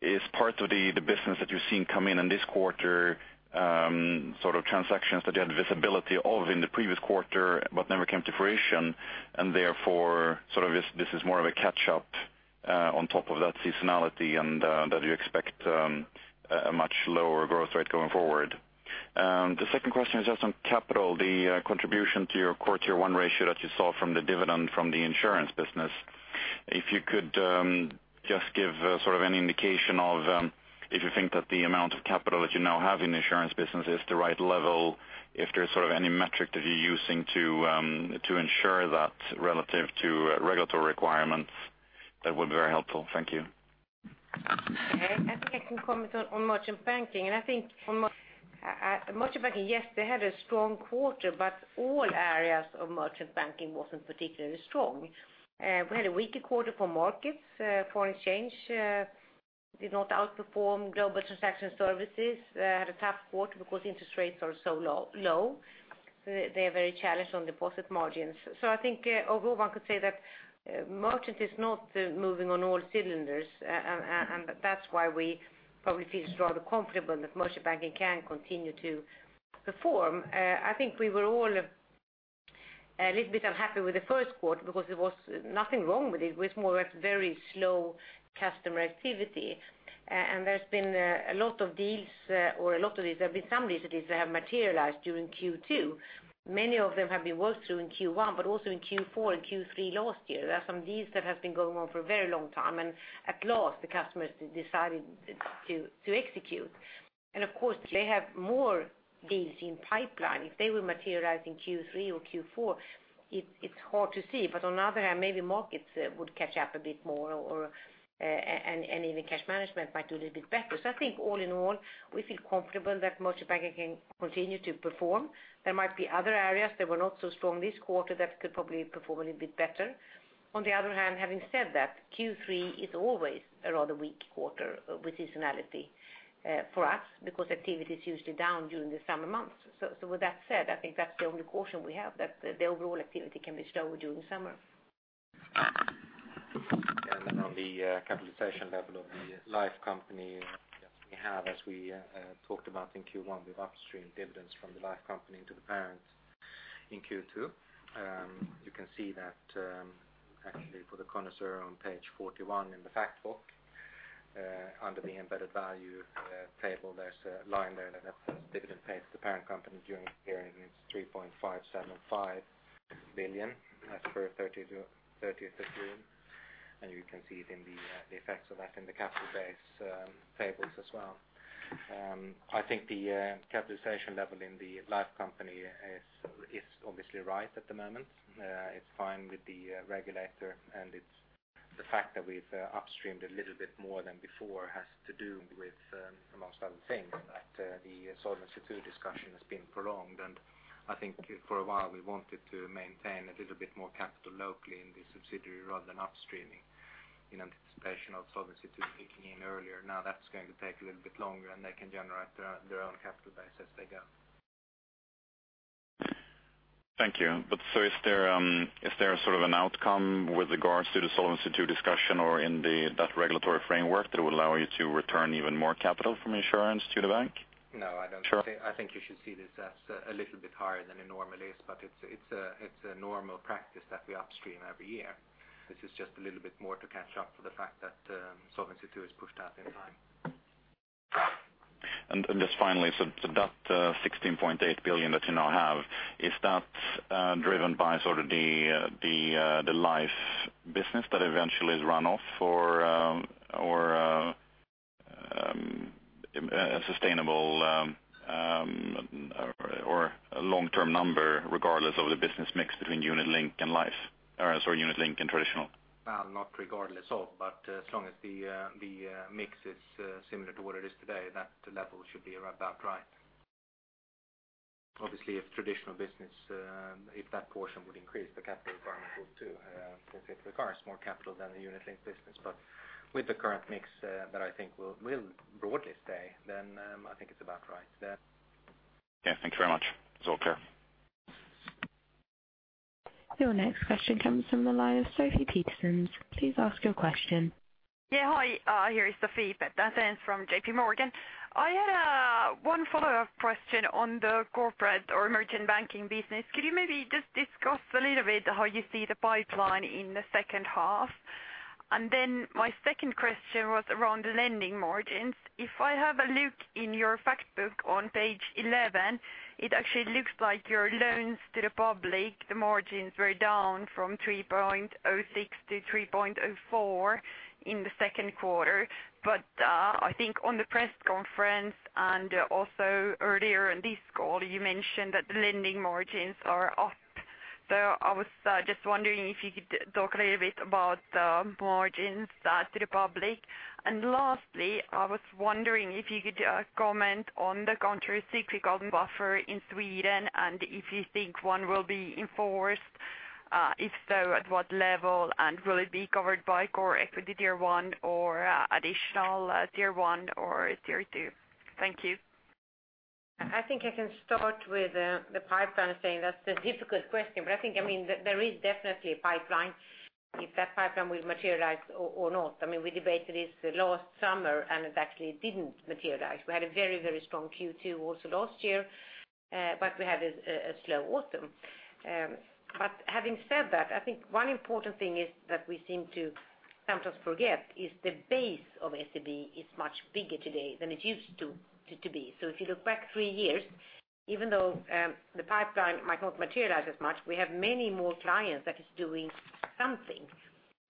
Is part of the business that you're seeing come in in this quarter transactions that you had visibility of in the previous quarter but never came to fruition, and therefore, this is more of a catch-up on top of that seasonality and that you expect a much lower growth rate going forward? The second question is just on capital, the contribution to your Core Tier 1 ratio that you saw from the dividend from the insurance business. If you could just give any indication of if you think that the amount of capital that you now have in the insurance business is the right level, if there's any metric that you're using to ensure that relative to regulatory requirements, that would be very helpful. Thank you. I think I can comment on Merchant Banking. I think Merchant Banking, yes, they had a strong quarter, but all areas of Merchant Banking wasn't particularly strong. We had a weaker quarter for markets. Foreign exchange did not outperform global transaction services, had a tough quarter because interest rates are so low. They are very challenged on deposit margins. I think overall, one could say that merchant is not moving on all cylinders, and that's why we probably feel rather comfortable that Merchant Banking can continue to perform. I think we were all a little bit unhappy with the first quarter because there was nothing wrong with it. It was more of a very slow customer activity. There's been a lot of deals or a lot of these, there've been some recent deals that have materialized during Q2. Many of them have been worked through in Q1, but also in Q4 and Q3 last year. There are some deals that have been going on for a very long time, and at last, the customers decided to execute. Of course, they have more deals in pipeline. If they will materialize in Q3 or Q4, it's hard to see. On the other hand, maybe markets would catch up a bit more, and even cash management might do a little bit better. I think all in all, we feel comfortable that Merchant Banking can continue to perform. There might be other areas that were not so strong this quarter that could probably perform a little bit better. On the other hand, having said that, Q3 is always a rather weak quarter with seasonality for us because activity is usually down during the summer months. With that said, I think that's the only caution we have, that the overall activity can be slower during summer. On the capitalization level of the life company, we have, as we talked about in Q1, we've upstreamed dividends from the life company into the parent in Q2. You can see that actually for the connoisseur on page 41 in the fact book. Under the embedded value table, there's a line there that has dividend paid to the parent company during the period, and it's 3.575 billion as per 30th of June. You can see the effects of that in the capital base tables as well. I think the capitalization level in the life company is obviously right at the moment. It's fine with the regulator, and it's the fact that we've upstreamed a little bit more than before has to do with, amongst other things, that the Solvency II discussion has been prolonged. I think for a while, we wanted to maintain a little bit more capital locally in the subsidiary rather than upstreaming in anticipation of Solvency II kicking in earlier. Now that's going to take a little bit longer, and they can generate their own capital base as they go. Thank you. Is there an outcome with regards to the Solvency II discussion or in that regulatory framework that will allow you to return even more capital from insurance to the bank? I don't think I think you should see this as a little bit higher than it normally is, but it's a normal practice that we upstream every year. This is just a little bit more to catch up for the fact that Solvency II is pushed out in time. Finally, that 16.8 billion that you now have, is that driven by sort of the life business that eventually is run off or a sustainable or a long-term number regardless of the business mix between unit-linked and life, or sorry, unit-linked and traditional? Not regardless of, but as long as the mix is similar to what it is today, that level should be right about right. Obviously, if traditional business, if that portion would increase, the capital requirement would too since it requires more capital than the unit-linked business. With the current mix that I think will broadly stay, then I think it's about right, yeah. Yeah, thank you very much. It's all clear. Your next question comes from the line of Sofie Petersen. Please ask your question. Yeah, hi. Here is Sofie Petersen from JPMorgan. I had one follow-up question on the corporate or merchant banking business. Could you maybe just discuss a little bit how you see the pipeline in the second half? My second question was around lending margins. If I have a look in your fact book on page 11, it actually looks like your loans to the public, the margins were down from 3.06% to 3.04% in the second quarter. I think on the press conference and also earlier in this call, you mentioned that the lending margins are up. I was just wondering if you could talk a little bit about the margins to the public. Lastly, I was wondering if you could comment on the countercyclical buffer in Sweden and if you think one will be enforced. If so, at what level, and will it be covered by Core Equity Tier 1 or additional Tier 1 or Tier 2? Thank you. I think I can start with the pipeline saying that's a difficult question, there is definitely a pipeline. If that pipeline will materialize or not. We debated this last summer, it actually didn't materialize. We had a very strong Q2 also last year, we had a slow autumn. Having said that, I think one important thing is that we seem to sometimes forget is the base of SEB is much bigger today than it used to be. If you look back three years, even though the pipeline might not materialize as much, we have many more clients that is doing something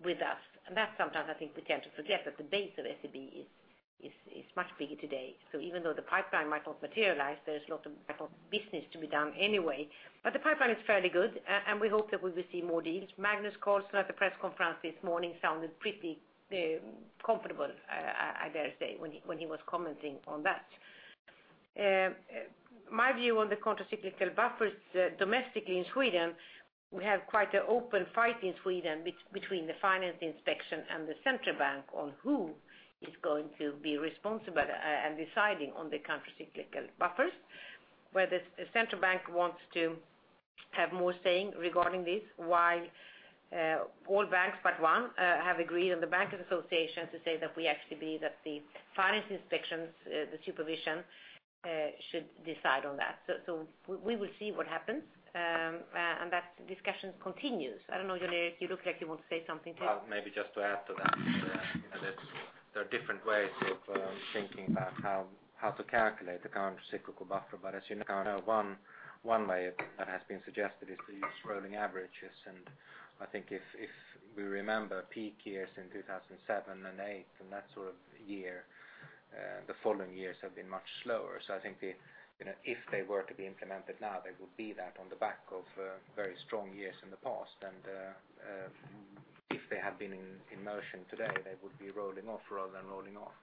with us. That's sometimes I think we tend to forget that the base of SEB is much bigger today. Even though the pipeline might not materialize, there's a lot of business to be done anyway. The pipeline is fairly good, we hope that we will see more deals. Magnus Carlsson at the press conference this morning sounded pretty comfortable, I dare say, when he was commenting on that. My view on the countercyclical buffers domestically in Sweden, we have quite an open fight in Sweden between the Finance Inspection and the Central Bank on who is going to be responsible and deciding on the countercyclical buffers, where the Central Bank wants to have more say regarding this while all banks but one have agreed on the Bank Association to say that we actually believe that the Finance Inspection's, the supervision should decide on that. We will see what happens, that discussion continues. I don't know, Ulf, you look like you want to say something. Maybe just to add to that a little. There are different ways of thinking about how to calculate the countercyclical buffer, as you now know, one way that has been suggested is to use rolling averages. I think if we remember peak years in 2007 and 2008 that sort of year, the following years have been much slower. I think if they were to be implemented now, they would be that on the back of very strong years in the past, if they have been in motion today, they would be rolling off rather than loading off.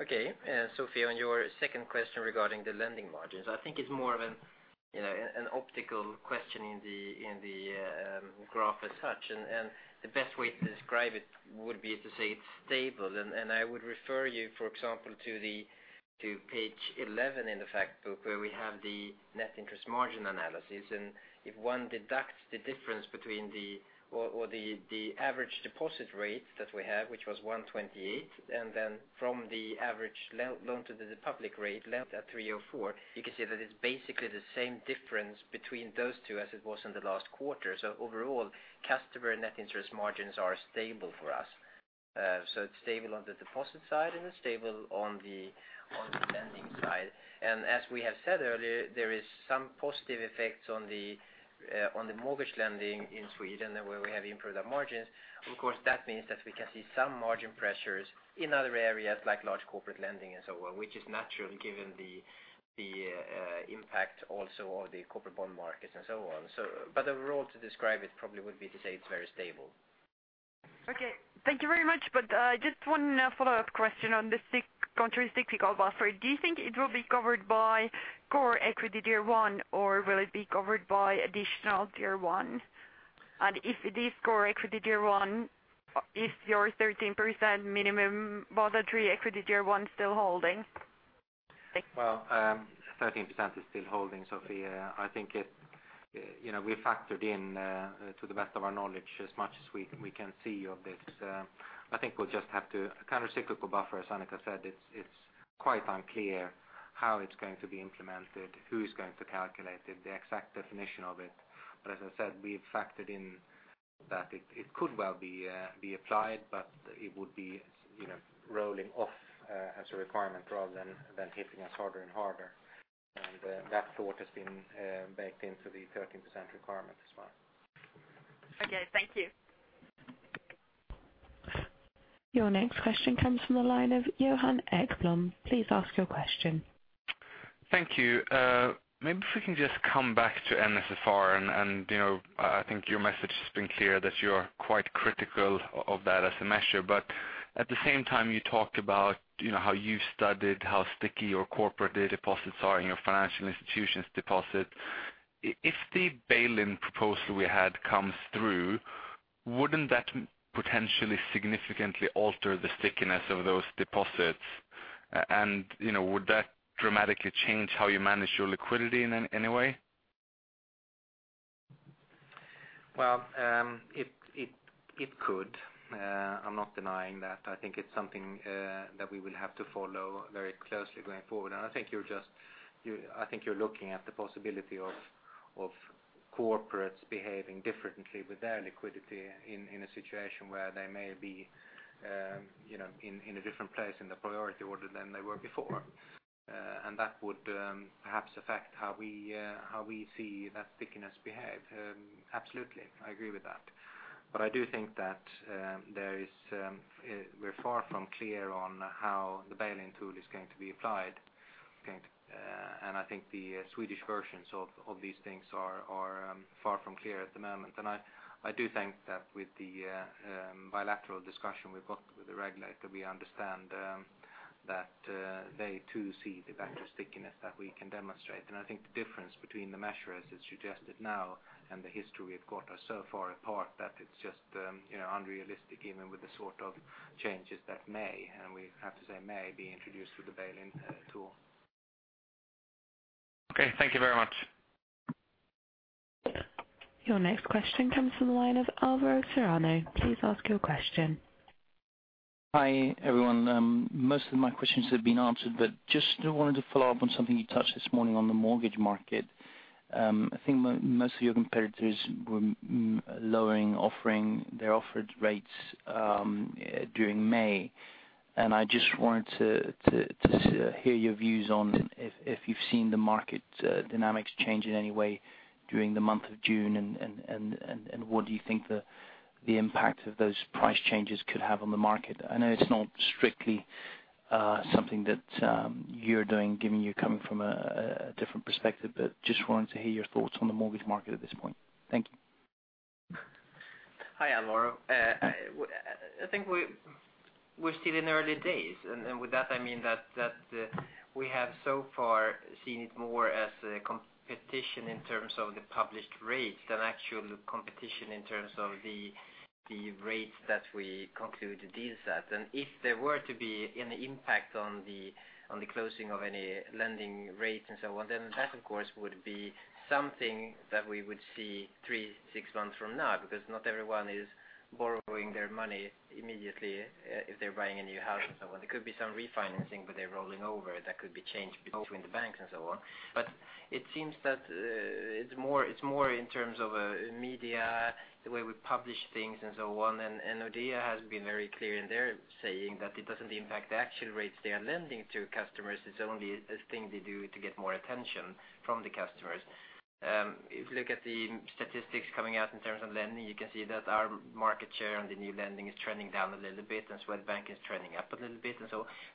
Okay, Sofie, on your second question regarding the lending margins. I think it's more of an optical question in the graph as such. The best way to describe it would be to say it's stable. I would refer you, for example, to page 11 in the fact book where we have the net interest margin analysis. If one deducts the difference between the average deposit rate that we have, which was 128, from the average loan to the public rate lent at 304, you can see that it's basically the same difference between those two as it was in the last quarter. Overall, customer net interest margins are stable for us. It's stable on the deposit side and it's stable on the lending side. As we have said earlier, there is some positive effects on the mortgage lending in Sweden where we have improved our margins. Of course, that means that we can see some margin pressures in other areas like large corporate lending and so on, which is natural given the impact also of the corporate bond markets and so on. Overall, to describe it probably would be to say it's very stable. Okay, thank you very much. Just one follow-up question on the countercyclical buffer. Do you think it will be covered by Core Equity Tier 1 or will it be covered by Additional Tier 1? If it is Core Equity Tier 1, is your 13% minimum voluntary Equity Tier 1 still holding? Well, 13% is still holding, Sophia. We factored in to the best of our knowledge, as much as we can see of this. I think we'll just have to Countercyclical buffer, as Annika said, it's quite unclear how it's going to be implemented, who's going to calculate it, the exact definition of it. As I said, we've factored in that it could well be applied, but it would be rolling off as a requirement rather than hitting us harder and harder. That thought has been baked into the 13% requirement as well. Okay. Thank you. Your next question comes from the line of Johan Ekblom. Please ask your question. Thank you. Maybe if we can just come back to NSFR. I think your message has been clear that you are quite critical of that as a measure. At the same time, you talked about how you've studied how sticky your corporate deposits are and your financial institutions deposits. If the bail-in proposal we had comes through, wouldn't that potentially significantly alter the stickiness of those deposits? Would that dramatically change how you manage your liquidity in any way? Well, it could. I'm not denying that. I think it's something that we will have to follow very closely going forward. I think you're looking at the possibility of corporates behaving differently with their liquidity in a situation where they may be in a different place in the priority order than they were before. That would perhaps affect how we see that stickiness behave. Absolutely. I agree with that. I do think that we're far from clear on how the bail-in tool is going to be applied. I think the Swedish versions of these things are far from clear at the moment. I do think that with the bilateral discussion we've got with the regulator, we understand that they too see the factor stickiness that we can demonstrate. I think the difference between the measure as it's suggested now and the history we've got are so far apart that it's just unrealistic, even with the sort of changes that may, and we have to say may, be introduced with the bail-in tool. Okay. Thank you very much. Your next question comes from the line of Alvaro Serrano. Please ask your question. Hi, everyone. Most of my questions have been answered, but just wanted to follow up on something you touched this morning on the mortgage market. I think most of your competitors were lowering their offered rates during May. I just wanted to hear your views on if you've seen the market dynamics change in any way during the month of June, and what do you think the impact of those price changes could have on the market? I know it's not strictly something that you're doing, given you're coming from a different perspective, but just wanted to hear your thoughts on the mortgage market at this point. Thank you. Hi, Alvaro. I think We're still in early days. With that I mean that we have so far seen it more as a competition in terms of the published rates than actual competition in terms of the rates that we conclude the deals at. If there were to be any impact on the closing of any lending rates and so on, then that, of course, would be something that we would see three, six months from now, because not everyone is borrowing their money immediately if they're buying a new house and so on. There could be some refinancing, but they're rolling over that could be changed between the banks and so on. It seems that it's more in terms of media, the way we publish things and so on. SBAB has been very clear in their saying that it doesn't impact the actual rates they are lending to customers. It's only a thing they do to get more attention from the customers. If you look at the statistics coming out in terms of lending, you can see that our market share on the new lending is trending down a little bit, Swedbank is trending up a little bit.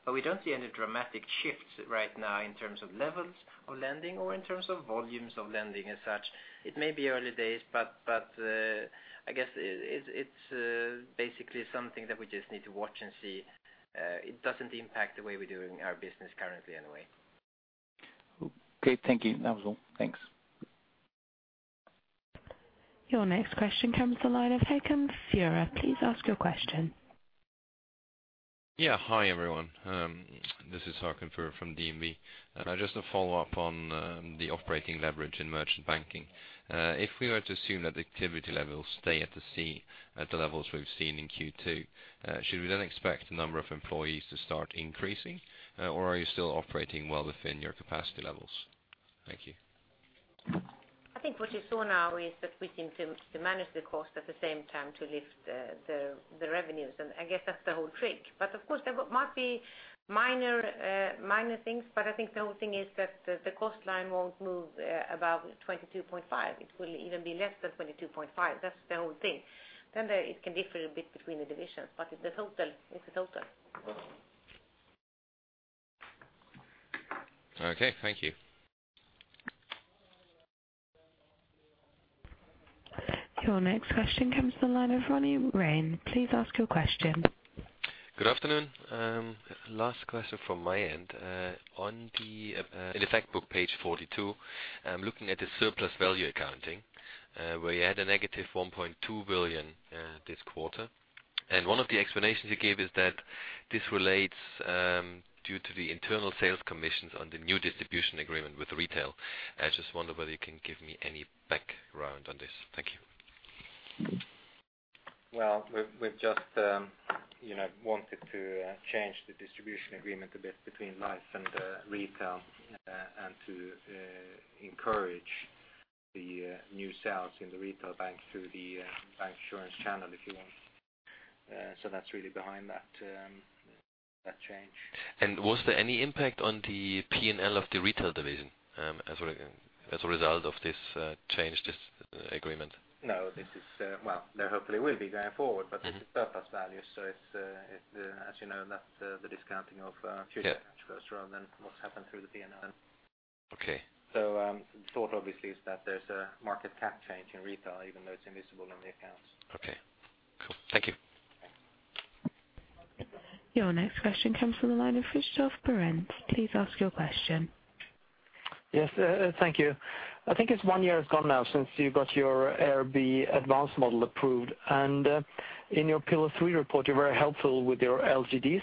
We don't see any dramatic shifts right now in terms of levels of lending or in terms of volumes of lending as such. It may be early days, but I guess it's basically something that we just need to watch and see. It doesn't impact the way we're doing our business currently in a way. Okay, thank you. That was all. Thanks. Your next question comes the line of Håkon Fure. Please ask your question. Hi, everyone. This is Håkon Fure from DNB. Just to follow up on the operating leverage in merchant banking. If we were to assume that the activity levels stay at the levels we've seen in Q2, should we then expect the number of employees to start increasing? Or are you still operating well within your capacity levels? Thank you. I think what you saw now is that we think to manage the cost at the same time to lift the revenues, and I guess that's the whole trick. Of course, there might be minor things, but I think the whole thing is that the cost line won't move above 22.5. It will even be less than 22.5. That's the whole thing. It can differ a bit between the divisions, but it's a total. Okay, thank you. Your next question comes to the line of Ronnie Raayan. Please ask your question. Good afternoon. Last question from my end. In the fact book, page 42, looking at the surplus value accounting, where you had a negative 1.2 billion this quarter. One of the explanations you gave is that this relates due to the internal sales commissions on the new distribution agreement with retail. I just wonder whether you can give me any background on this. Thank you. Well, we've just wanted to change the distribution agreement a bit between life and retail and to encourage the new sales in the retail bank through the bancassurance channel, if you want. That's really behind that change. Was there any impact on the P&L of the retail division as a result of this change, this agreement? No, this is Well, there hopefully will be going forward. This is surplus value, as you know, that's the discounting of future cash flows rather than what's happened through the P&L. Okay. The thought obviously is that there's a market cap change in retail, even though it's invisible in the accounts. Okay, cool. Thank you. Your next question comes from the line of Christoph Berends. Please ask your question. Yes, thank you. I think it's one year has gone now since you got your IRB advanced model approved. In your Pillar 3 report, you're very helpful with your LGDs.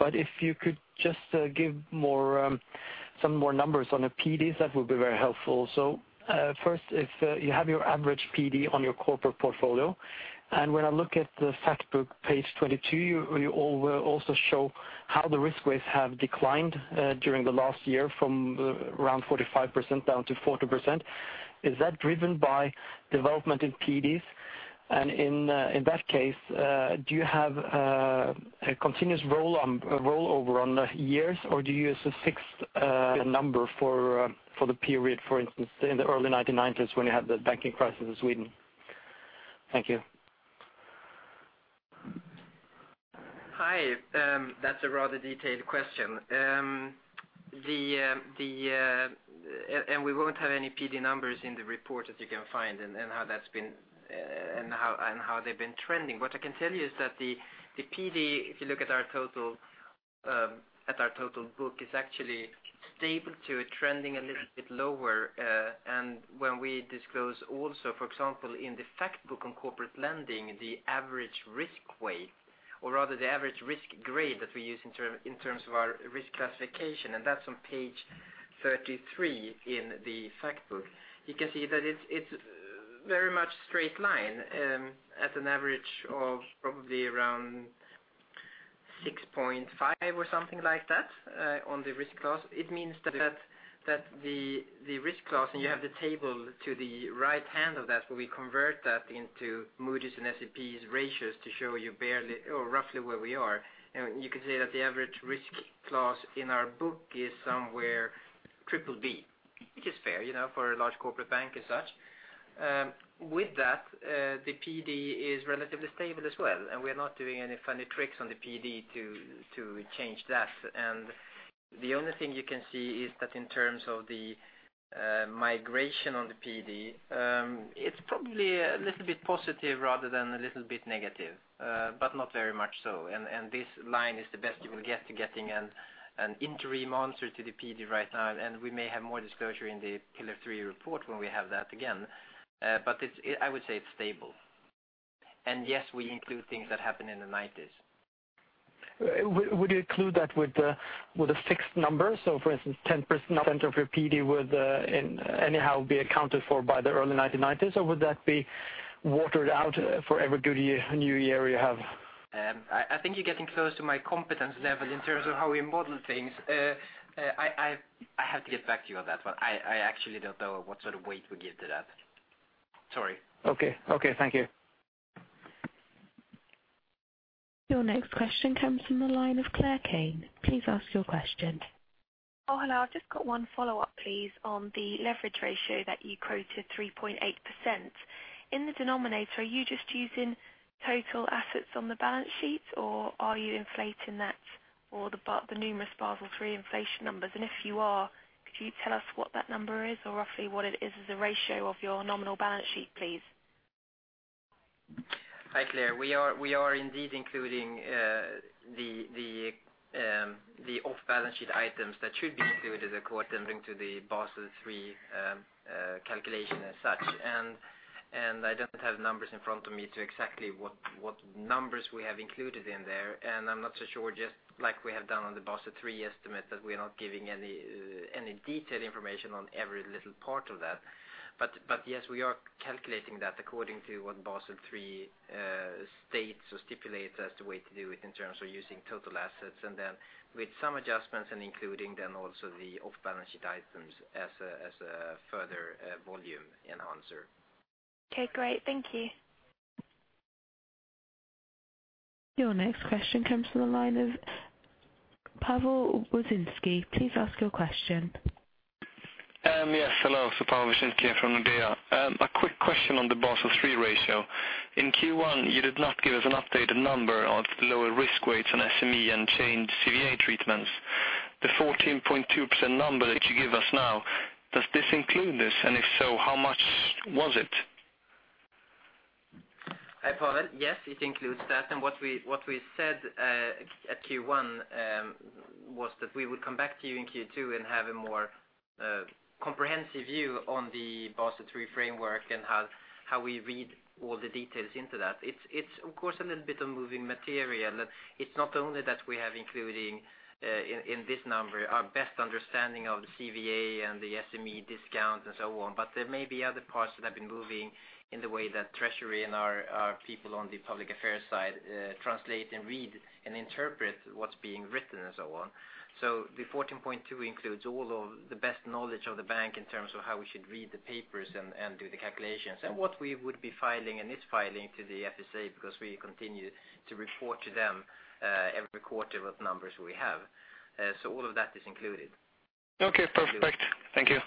If you could just give some more numbers on the PDs, that would be very helpful. First, if you have your average PD on your corporate portfolio, when I look at the fact book, page 22, you also show how the risk weights have declined during the last year from around 45% down to 40%. Is that driven by development in PDs? In that case, do you have a continuous rollover on years, or do you use a fixed number for the period, for instance, in the early 1990s when you had the banking crisis in Sweden? Thank you. Hi. That's a rather detailed question. We won't have any PD numbers in the report that you can find and how they've been trending. What I can tell you is that the PD, if you look at our total book, is actually stable to trending a little bit lower. When we disclose also, for example, in the fact book on corporate lending, the average risk weight, or rather the average risk grade that we use in terms of our risk classification, that's on page 33 in the fact book. You can see that it's very much straight line at an average of probably around 6.5 or something like that on the risk class. It means that the risk class, you have the table to the right-hand of that, where we convert that into Moody's and S&P's ratios to show you roughly where we are. You can say that the average risk class in our book is somewhere triple B Is fair for a large corporate bank as such. With that, the PD is relatively stable as well, we are not doing any funny tricks on the PD to change that. The only thing you can see is that in terms of the migration on the PD, it's probably a little bit positive rather than a little bit negative, not very much so. This line is the best you will get to getting an interim answer to the PD right now, we may have more disclosure in the Pillar 3 report when we have that again. I would say it's stable. Yes, we include things that happen in the 1990s. Would you include that with a fixed number? For instance, 10% of your PD would anyhow be accounted for by the early 1990s, would that be watered out for every new year you have? I think you're getting close to my competence level in terms of how we model things. I have to get back to you on that one. I actually don't know what sort of weight we give to that. Sorry. Okay. Thank you. Your next question comes from the line of Kian Abouhossein. Please ask your question. Hello. I've just got one follow-up, please, on the leverage ratio that you quoted, 3.8%. In the denominator, are you just using total assets on the balance sheet, or are you inflating that or the numerous Basel III inflation numbers? If you are, could you tell us what that number is or roughly what it is as a ratio of your nominal balance sheet, please? Hi, Kian. We are indeed including the off-balance sheet items that should be included according to the Basel III calculation as such. I don't have numbers in front of me to exactly what numbers we have included in there. I'm not so sure, just like we have done on the Basel III estimate, that we are not giving any detailed information on every little part of that. Yes, we are calculating that according to what Basel III states or stipulates as the way to do it in terms of using total assets, and then with some adjustments and including then also the off-balance sheet items as a further volume enhancer. Okay, great. Thank you. Your next question comes from the line of Pawel Wodzinski. Please ask your question. Yes, hello. Pawel Wodzinski from Nordea. A quick question on the Basel III ratio. In Q1, you did not give us an updated number of the lower risk weights on SME and change CVA treatments. The 14.2% number that you give us now, does this include this? If so, how much was it? Hi, Pawel. Yes, it includes that. What we said at Q1 was that we would come back to you in Q2 and have a more comprehensive view on the Basel III framework and how we read all the details into that. It's of course a little bit of moving material. It's not only that we have included in this number our best understanding of the CVA and the SME discount and so on, but there may be other parts that have been moving in the way that treasury and our people on the public affairs side translate and read and interpret what's being written and so on. The 14.2 includes all of the best knowledge of the bank in terms of how we should read the papers and do the calculations and what we would be filing and is filing to the FSA because we continue to report to them every quarter what numbers we have. All of that is included. Okay, perfect. Thank you.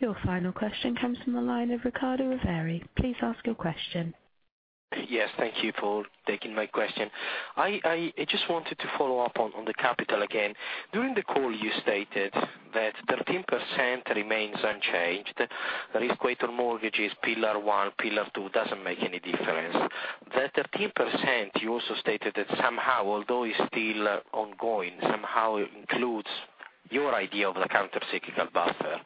Your final question comes from the line of Riccardo Rovere. Please ask your question. Yes. Thank you for taking my question. I just wanted to follow up on the capital again. During the call, you stated that 13% remains unchanged. The risk weight on mortgages, Pillar 1, Pillar 2, doesn't make any difference. The 13%, you also stated that somehow, although it's still ongoing, somehow includes your idea of the countercyclical buffer.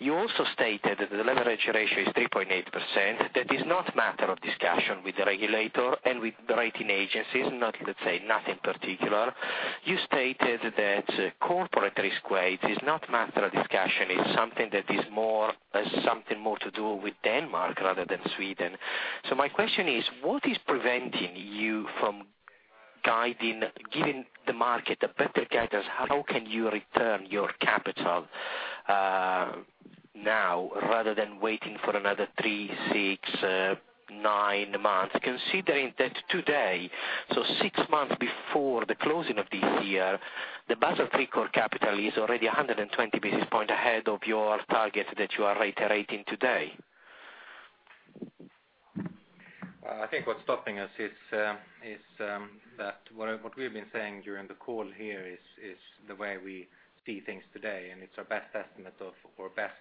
You also stated that the leverage ratio is 3.8%. That is not a matter of discussion with the regulator and with the rating agencies. Let's say, nothing particular. You stated that corporate risk weight is not a matter of discussion. It's something that has something more to do with Denmark rather than Sweden. My question is, what is preventing you from giving the market better guidance? How can you return your capital now rather than waiting for another three, six, nine months, considering that today, so six months before the closing of this year, the Basel III core capital is already 120 basis points ahead of your target that you are reiterating today? I think what's stopping us is that what we've been saying during the call here is the way we see things today, it's our best estimate of, or best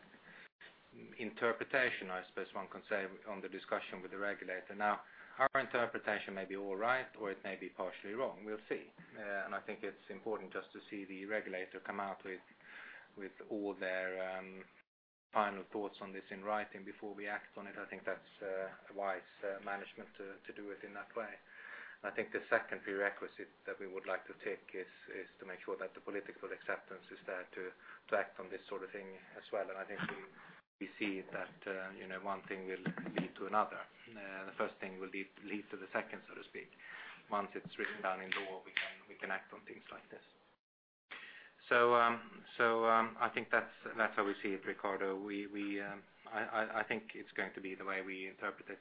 interpretation, I suppose one can say, on the discussion with the regulator. Now, our interpretation may be all right, or it may be partially wrong. We'll see. I think it's important just to see the regulator come out with all their final thoughts on this in writing before we act on it. I think that's a wise management to do it in that way. I think the second prerequisite that we would like to take is to make sure that the political acceptance is there to act on this sort of thing as well. I think we see that one thing will lead to another. The first thing will lead to the second, so to speak. Once it's written down in law, we can act on things like this. I think that's how we see it, Riccardo. I think it's going to be the way we interpret it.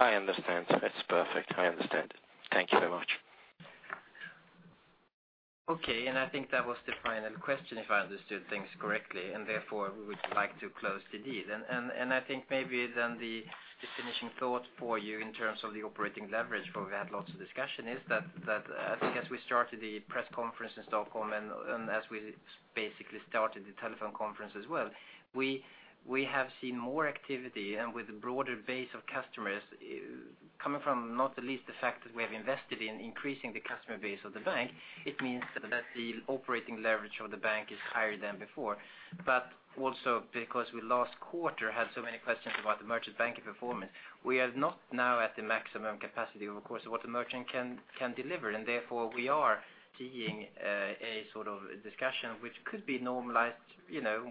I understand. It's perfect. I understand. Thank you very much. Okay. I think that was the final question, if I understood things correctly. Therefore, we would like to close the deal. I think maybe then the finishing thought for you in terms of the operating leverage, where we had lots of discussion, is that I think as we started the press conference in Stockholm and as we basically started the telephone conference as well, we have seen more activity and with a broader base of customers coming from not the least the fact that we have invested in increasing the customer base of the bank. It means that the operating leverage of the bank is higher than before. Also because we last quarter had so many questions about the Merchant Banking performance, we are not now at the maximum capacity, of course, of what the Merchant can deliver. Therefore, we are keying a sort of discussion which could be normalized,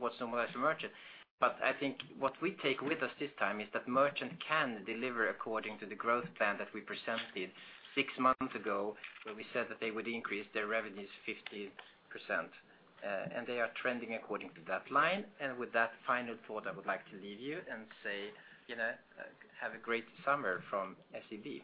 what's normalized for Merchant. I think what we take with us this time is that Merchant can deliver according to the growth plan that we presented six months ago, where we said that they would increase their revenues 50%, and they are trending according to that line. With that final thought, I would like to leave you and say have a great summer from SEB.